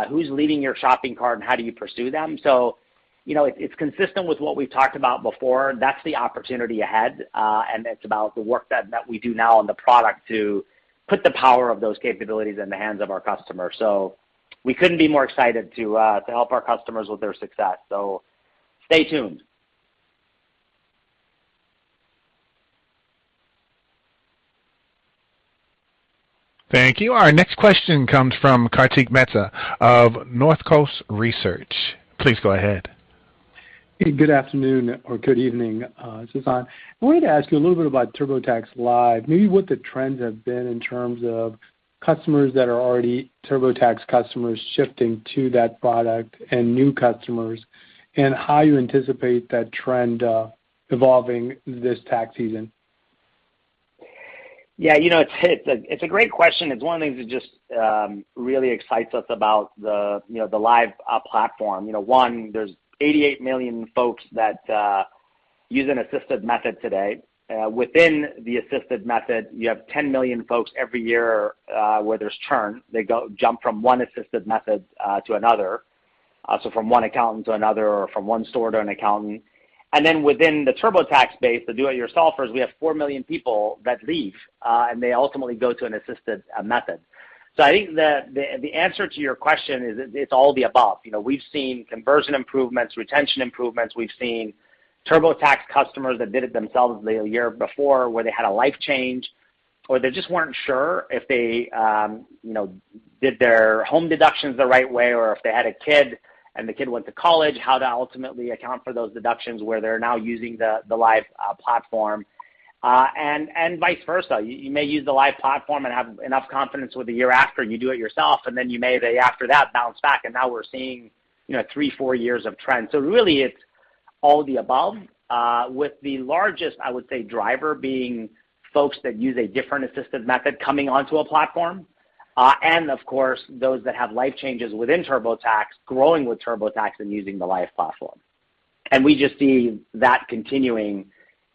who's leaving your shopping cart, and how do you pursue them. You know, it's consistent with what we've talked about before. That's the opportunity ahead, and it's about the work that we do now on the product to put the power of those capabilities in the hands of our customers. We couldn't be more excited to help our customers with their success. Stay tuned. Thank you. Our next question comes from Kartik Mehta of Northcoast Research. Please go ahead. Good afternoon or good evening, Sasan. I wanted to ask you a little bit about TurboTax Live, maybe what the trends have been in terms of customers that are already TurboTax customers shifting to that product and new customers, and how you anticipate that trend evolving this tax season? Yeah, you know, it's a great question. It's one of the things that just really excites us about the Live platform. You know, there's 88 million folks that use an assisted method today. Within the assisted method, you have 10 million folks every year where there's churn. They jump from one assisted method to another, so from one accountant to another or from one store to an accountant. Within the TurboTax base, the do-it-yourselfers, we have four million people that leave and they ultimately go to an assisted method. I think the answer to your question is it's all the above. You know, we've seen conversion improvements, retention improvements. We've seen TurboTax customers that did it themselves the year before, where they had a life change or they just weren't sure if they, you know, did their home deductions the right way or if they had a kid and the kid went to college, how to ultimately account for those deductions, where they're now using the Live platform, and vice versa. You may use the Live platform and have enough confidence with the year after, and you do it yourself. Then you may, the year after that, bounce back, and now we're seeing, you know, three, four years of trends. Really it's all the above, with the largest, I would say, driver being folks that use a different assisted method coming onto a platform, and of course, those that have life changes within TurboTax, growing with TurboTax, and using the Live platform. We just see that continuing,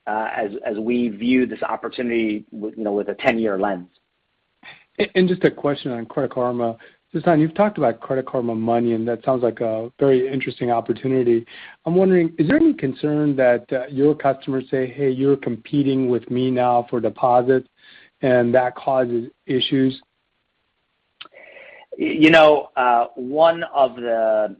as we view this opportunity, you know, with a 10-year lens. Just a question on Credit Karma. Sasan, you've talked about Credit Karma Money, and that sounds like a very interesting opportunity. I'm wondering, is there any concern that your customers say, "Hey, you're competing with me now for deposits," and that causes issues? You know, one of the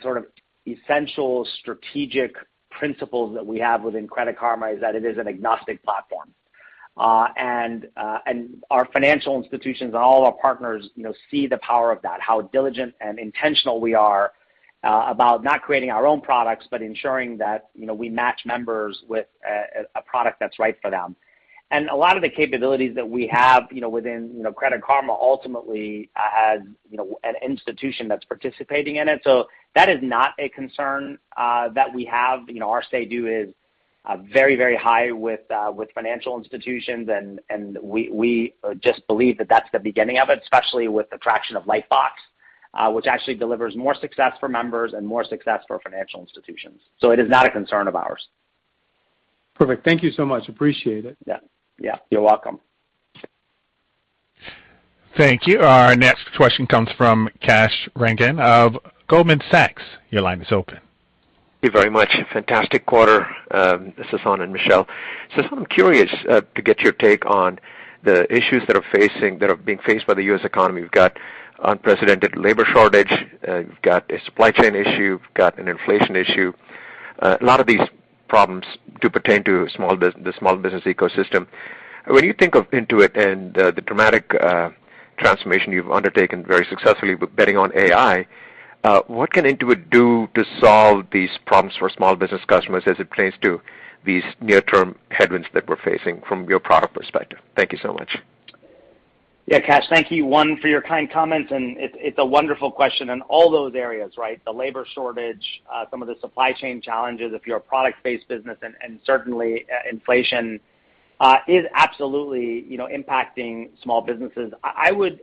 sort of essential strategic principles that we have within Credit Karma is that it is an agnostic platform. Our financial institutions and all our partners, you know, see the power of that, how diligent and intentional we are about not creating our own products, but ensuring that, you know, we match members with a product that's right for them. A lot of the capabilities that we have, you know, within Credit Karma ultimately has an institution that's participating in it. That is not a concern that we have. You know, our stickiness is very high with financial institutions, and we just believe that that's the beginning of it, especially with the traction of Lightbox, which actually delivers more success for members and more success for financial institutions. It is not a concern of ours. Perfect. Thank you so much. Appreciate it. Yeah. Yeah. You're welcome. Thank you. Our next question comes from Kash Rangan of Goldman Sachs. Your line is open. Thank you very much. Fantastic quarter, Sasan and Michelle. Sasan, I'm curious to get your take on the issues that are being faced by the U.S. economy. We've got unprecedented labor shortage, we've got a supply chain issue, we've got an inflation issue. A lot of these problems do pertain to the small business ecosystem. When you think of Intuit and the dramatic transformation you've undertaken very successfully with betting on AI, what can Intuit do to solve these problems for small business customers as it pertains to these near-term headwinds that we're facing from your product perspective? Thank you so much. Yeah, Kash, thank you one for your kind comments, and it's a wonderful question in all those areas, right? The labor shortage, some of the supply chain challenges if you're a product-based business, and certainly inflation is absolutely, you know, impacting small businesses. I would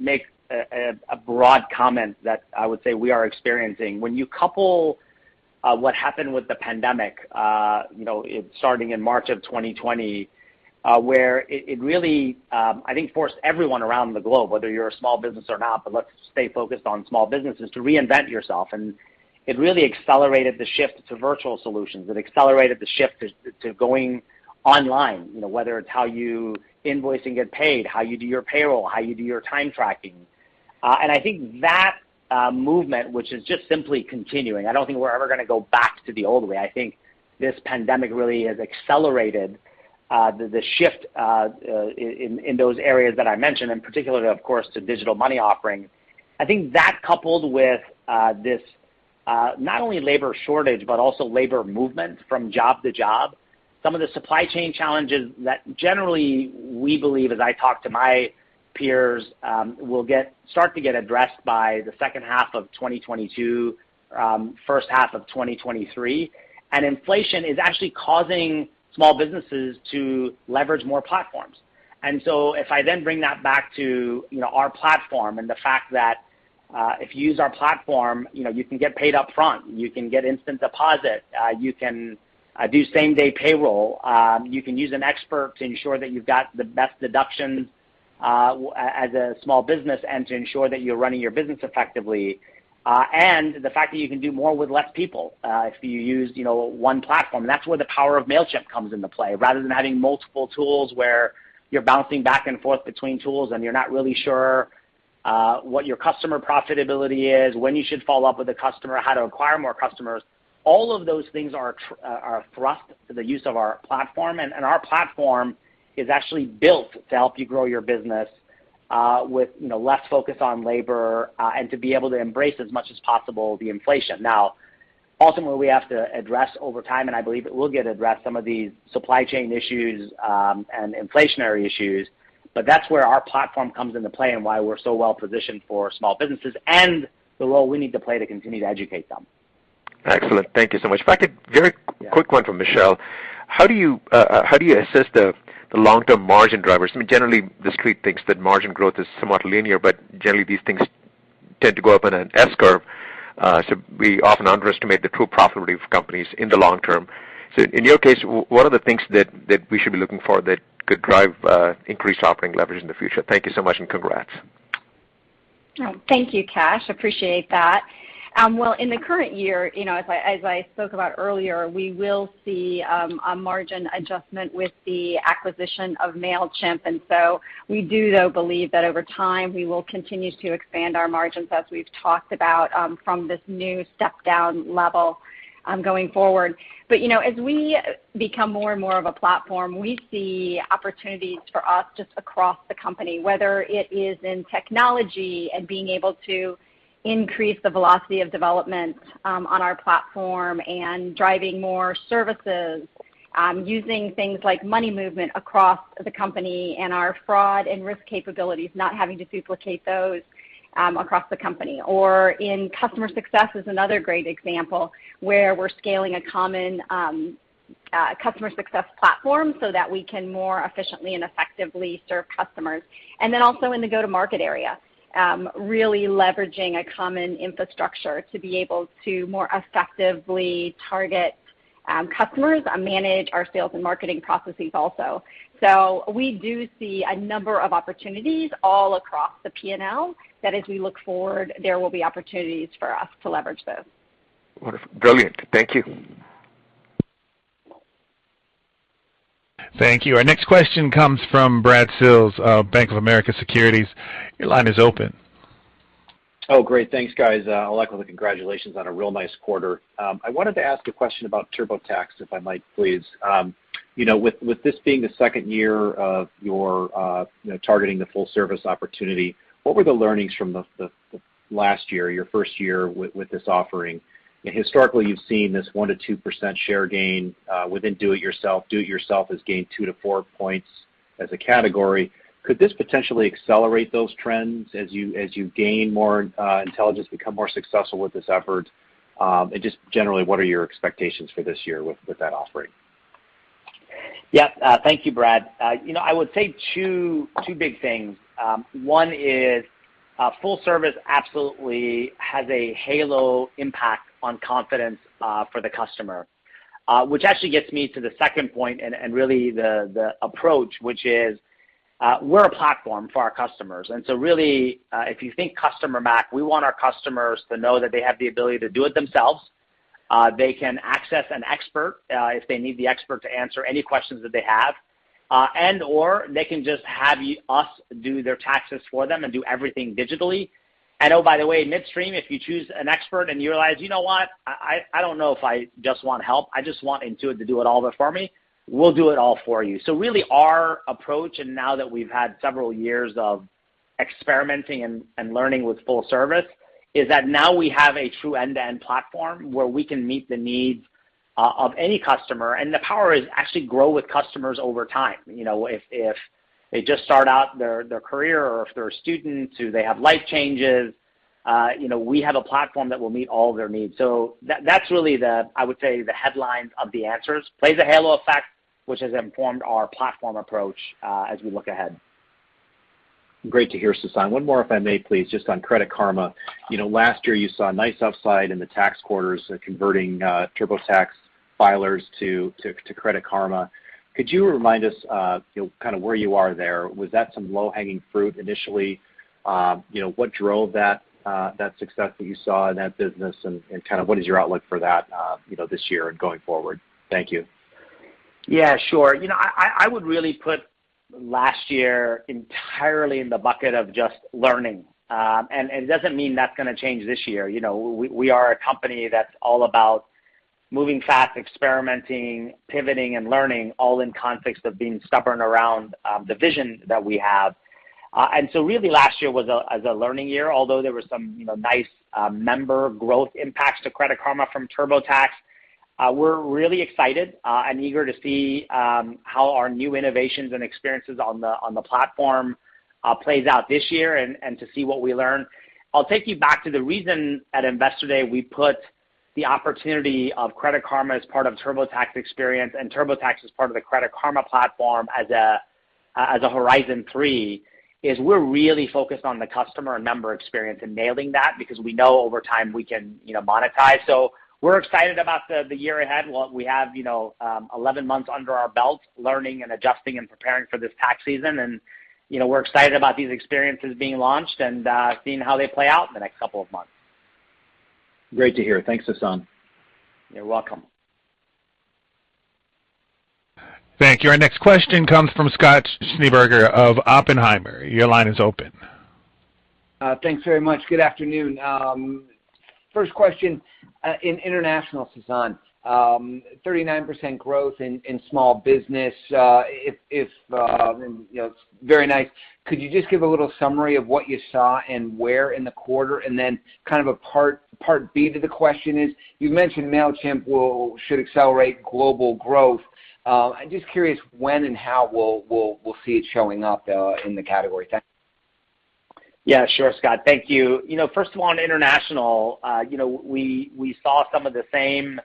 make a broad comment that, I would say, we are experiencing when you couple what happened with the pandemic, you know, it starting in March 2020, where it really I think forced everyone around the globe, whether you're a small business or not, but let's stay focused on small businesses, to reinvent yourself, and it really accelerated the shift to virtual solutions. It accelerated the shift to going online, you know, whether it's how you invoice and get paid, how you do your payroll, how you do your time tracking. I think that movement, which is just simply continuing, I don't think we're ever gonna go back to the old way. I think this pandemic really has accelerated the shift in those areas that I mentioned, and particularly, of course, to digital money offerings. I think that coupled with this not only labor shortage but also labor movement from job to job, some of the supply chain challenges that generally we believe, as I talk to my peers, will start to get addressed by the second half of 2022, first half of 2023. Inflation is actually causing small businesses to leverage more platforms. If I then bring that back to, you know, our platform and the fact that, if you use our platform, you know, you can get paid up front, you can get instant deposit, you can do same-day payroll, you can use an expert to ensure that you've got the best deductions, as a small business and to ensure that you're running your business effectively, and the fact that you can do more with less people, if you use, you know, one platform. That's where the power of Mailchimp comes into play, rather than having multiple tools where you're bouncing back and forth between tools, and you're not really sure, what your customer profitability is, when you should follow up with a customer, how to acquire more customers. All of those things are a thrust to the use of our platform, and our platform is actually built to help you grow your business, with, you know, less focus on labor, and to be able to embrace as much as possible the inflation. Now, ultimately, we have to address over time, and I believe it will get addressed, some of these supply chain issues and inflationary issues, but that's where our platform comes into play and why we're so well positioned for small businesses and the role we need to play to continue to educate them. Excellent. Thank you so much. In fact, a very quick one from Michelle. How do you assess the long-term margin drivers? I mean, generally, the Street thinks that margin growth is somewhat linear, but generally, these things tend to go up in an S curve, so we often underestimate the true profitability of companies in the long term. So in your case, what are the things that we should be looking for that could drive increased operating leverage in the future? Thank you so much, and congrats. Oh, thank you, Kash. Appreciate that. Well, in the current year, you know, as I spoke about earlier, we will see a margin adjustment with the acquisition of Mailchimp. We do, though, believe that over time, we will continue to expand our margins as we've talked about from this new step-down level going forward. You know, as we become more and more of a platform, we see opportunities for us just across the company, whether it is in technology and being able to increase the velocity of development on our platform and driving more services using things like money movement across the company and our fraud and risk capabilities, not having to duplicate those across the company. In customer success is another great example, where we're scaling a common customer success platform so that we can more efficiently and effectively serve customers. In the go-to-market area, really leveraging a common infrastructure to be able to more effectively target Customers manage our sales and marketing processes also. We do see a number of opportunities all across the P&L that as we look forward, there will be opportunities for us to leverage those. Wonderful. Brilliant. Thank you. Thank you. Our next question comes from Brad Sills of Bank of America Securities. Your line is open. Oh, great. Thanks, guys. I'd like to congratulate on a real nice quarter. I wanted to ask a question about TurboTax, if I might, please. You know, with this being the second year of your, you know, targeting the full service opportunity, what were the learnings from the last year, your first year with this offering? Historically, you've seen this 1%-2% share gain within do it yourself. Do it yourself has gained 2-4 points as a category. Could this potentially accelerate those trends as you gain more intelligence, become more successful with this effort? Just generally, what are your expectations for this year with that offering? Yeah. Thank you, Brad. You know, I would say two big things. One is full service absolutely has a halo impact on confidence for the customer, which actually gets me to the second point and really the approach, which is we're a platform for our customers. Really, if you think customer, Mac, we want our customers to know that they have the ability to do it themselves. They can access an expert if they need the expert to answer any questions that they have, and/or they can just have us do their taxes for them and do everything digitally. Oh, by the way, midstream, if you choose an expert and you realize, you know what? I don't know if I just want help. I just want Intuit to do it all there for me, we'll do it all for you. Really our approach, and now that we've had several years of experimenting and learning with full service, is that now we have a true end-to-end platform where we can meet the needs of any customer. The power is actually to grow with customers over time. You know, if they just start out their career or if they're students who they have life changes, you know, we have a platform that will meet all of their needs. That's really the, I would say, the headlines of the answers. Plus a halo effect, which has informed our platform approach as we look ahead. Great to hear, Sasan. One more if I may please, just on Credit Karma. You know, last year you saw a nice upside in the tax quarters converting TurboTax filers to Credit Karma. Could you remind us, you know, kind of where you are there? Was that some low-hanging fruit initially? You know, what drove that success that you saw in that business? Kind of what is your outlook for that, you know, this year and going forward? Thank you. Yeah, sure. You know, I would really put last year entirely in the bucket of just learning. It doesn't mean that's gonna change this year. You know, we are a company that's all about moving fast, experimenting, pivoting, and learning, all in context of being stubborn around the vision that we have. Really last year was a learning year, although there were some, you know, nice member growth impacts to Credit Karma from TurboTax. We're really excited and eager to see how our new innovations and experiences on the platform plays out this year and to see what we learn. I'll take you back to the reason at Investor Day we put the opportunity of Credit Karma as part of TurboTax experience and TurboTax as part of the Credit Karma platform as a Horizon 3, is we're really focused on the customer and member experience and nailing that because we know over time we can, you know, monetize. We're excited about the year ahead. We'll have, you know, 11 months under our belt learning and adjusting and preparing for this tax season. You know, we're excited about these experiences being launched and seeing how they play out in the next couple of months. Great to hear. Thanks, Sasan. You're welcome. Thank you. Our next question comes from Scott Schneeberger of Oppenheimer. Your line is open. Thanks very much. Good afternoon. First question, in international, Sasan, 39% growth in small business, and you know, it's very nice. Could you just give a little summary of what you saw and where in the quarter? Then kind of a part B to the question is, you've mentioned Mailchimp should accelerate global growth. I'm just curious when and how we'll see it showing up in the category. Thanks. Yeah, sure, Scott. Thank you. You know, first of all on international, you know, we saw some of the same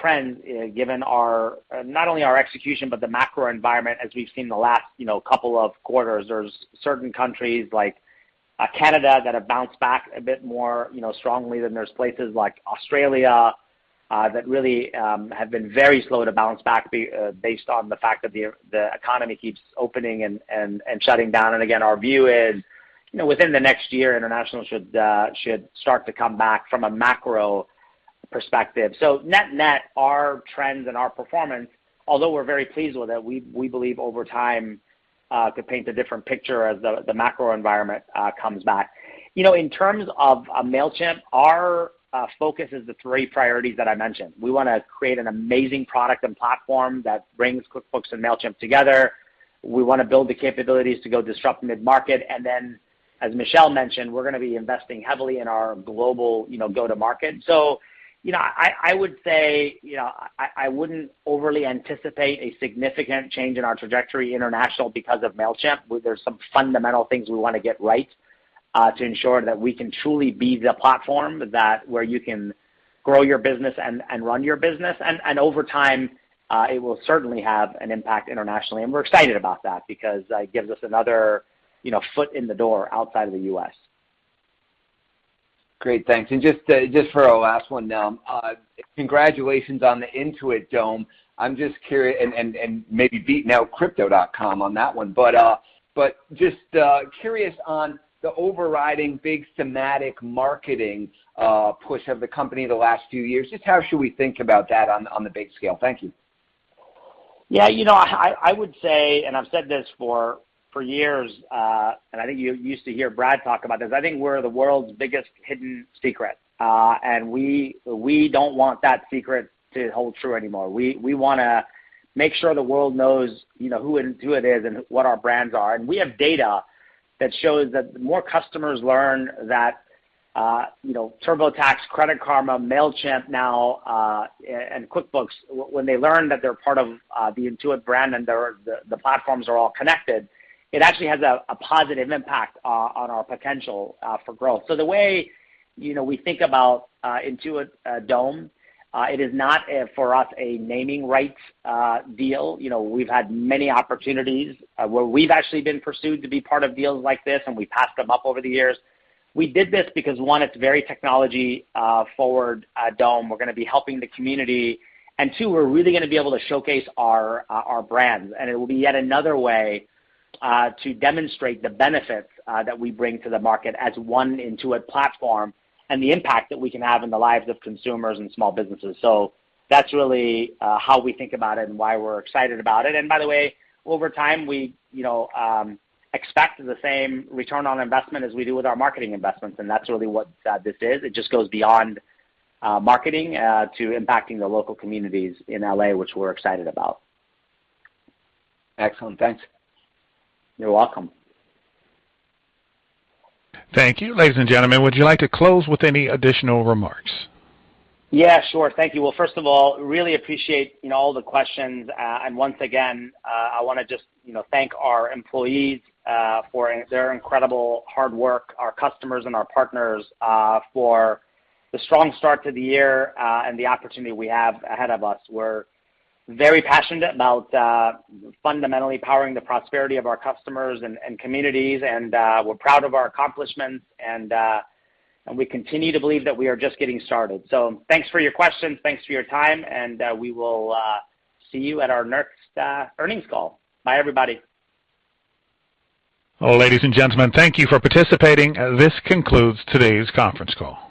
trends given not only our execution, but the macro environment as we've seen the last, you know, couple of quarters. There's certain countries like Canada that have bounced back a bit more, you know, strongly than there's places like Australia that really have been very slow to bounce back based on the fact that the economy keeps opening and shutting down. Again, our view is, you know, within the next year, international should start to come back from a macro perspective. Net-net, our trends and our performance, although we're very pleased with it, we believe over time could paint a different picture as the macro environment comes back. You know, in terms of Mailchimp, our focus is the three priorities that I mentioned. We wanna create an amazing product and platform that brings QuickBooks and Mailchimp together. We wanna build the capabilities to go disrupt mid-market. Then as Michelle mentioned, we're gonna be investing heavily in our global go-to-market. You know, I wouldn't overly anticipate a significant change in our international trajectory because of Mailchimp. There's some fundamental things we wanna get right to ensure that we can truly be the platform where you can grow your business and run your business. Over time, it will certainly have an impact internationally, and we're excited about that because it gives us another, you know, foot in the door outside of the U.S. Great. Thanks. Just for our last one, congratulations on the Intuit Dome. I'm just curious. Maybe beat out Crypto.com on that one. Just curious on the overriding big thematic marketing push of the company the last few years. Just how should we think about that on the big scale? Thank you. Yeah, you know, I would say, and I've said this for years, and I think you used to hear Brad talk about this. I think we're the world's biggest hidden secret, and we don't want that secret to hold true anymore. We wanna make sure the world knows, you know, who Intuit is and what our brands are. We have data that shows that the more customers learn that, you know, TurboTax, Credit Karma, Mailchimp now, and QuickBooks, when they learn that they're part of the Intuit brand and the platforms are all connected, it actually has a positive impact on our potential for growth. The way, you know, we think about Intuit Dome, it is not for us, a naming rights deal. You know, we've had many opportunities, where we've actually been pursued to be part of deals like this, and we passed them up over the years. We did this because, one, it's very technology forward Intuit Dome. We're gonna be helping the community. Two, we're really gonna be able to showcase our brands, and it will be yet another way to demonstrate the benefits that we bring to the market as one Intuit platform and the impact that we can have in the lives of consumers and small businesses. That's really how we think about it and why we're excited about it. By the way, over time, we you know expect the same return on investment as we do with our marketing investments, and that's really what this is. It just goes beyond marketing to impacting the local communities in L.A., which we're excited about. Excellent. Thanks. You're welcome. Thank you. Ladies and gentlemen, would you like to close with any additional remarks? Yeah, sure. Thank you. Well, first of all, really appreciate, you know, all the questions. And once again, I wanna just, you know, thank our employees for their incredible hard work, our customers and our partners for the strong start to the year and the opportunity we have ahead of us. We're very passionate about fundamentally powering the prosperity of our customers and communities, and we're proud of our accomplishments, and we continue to believe that we are just getting started. Thanks for your questions, thanks for your time, and we will see you at our next earnings call. Bye everybody. Ladies and gentlemen, thank you for participating. This concludes today's conference call.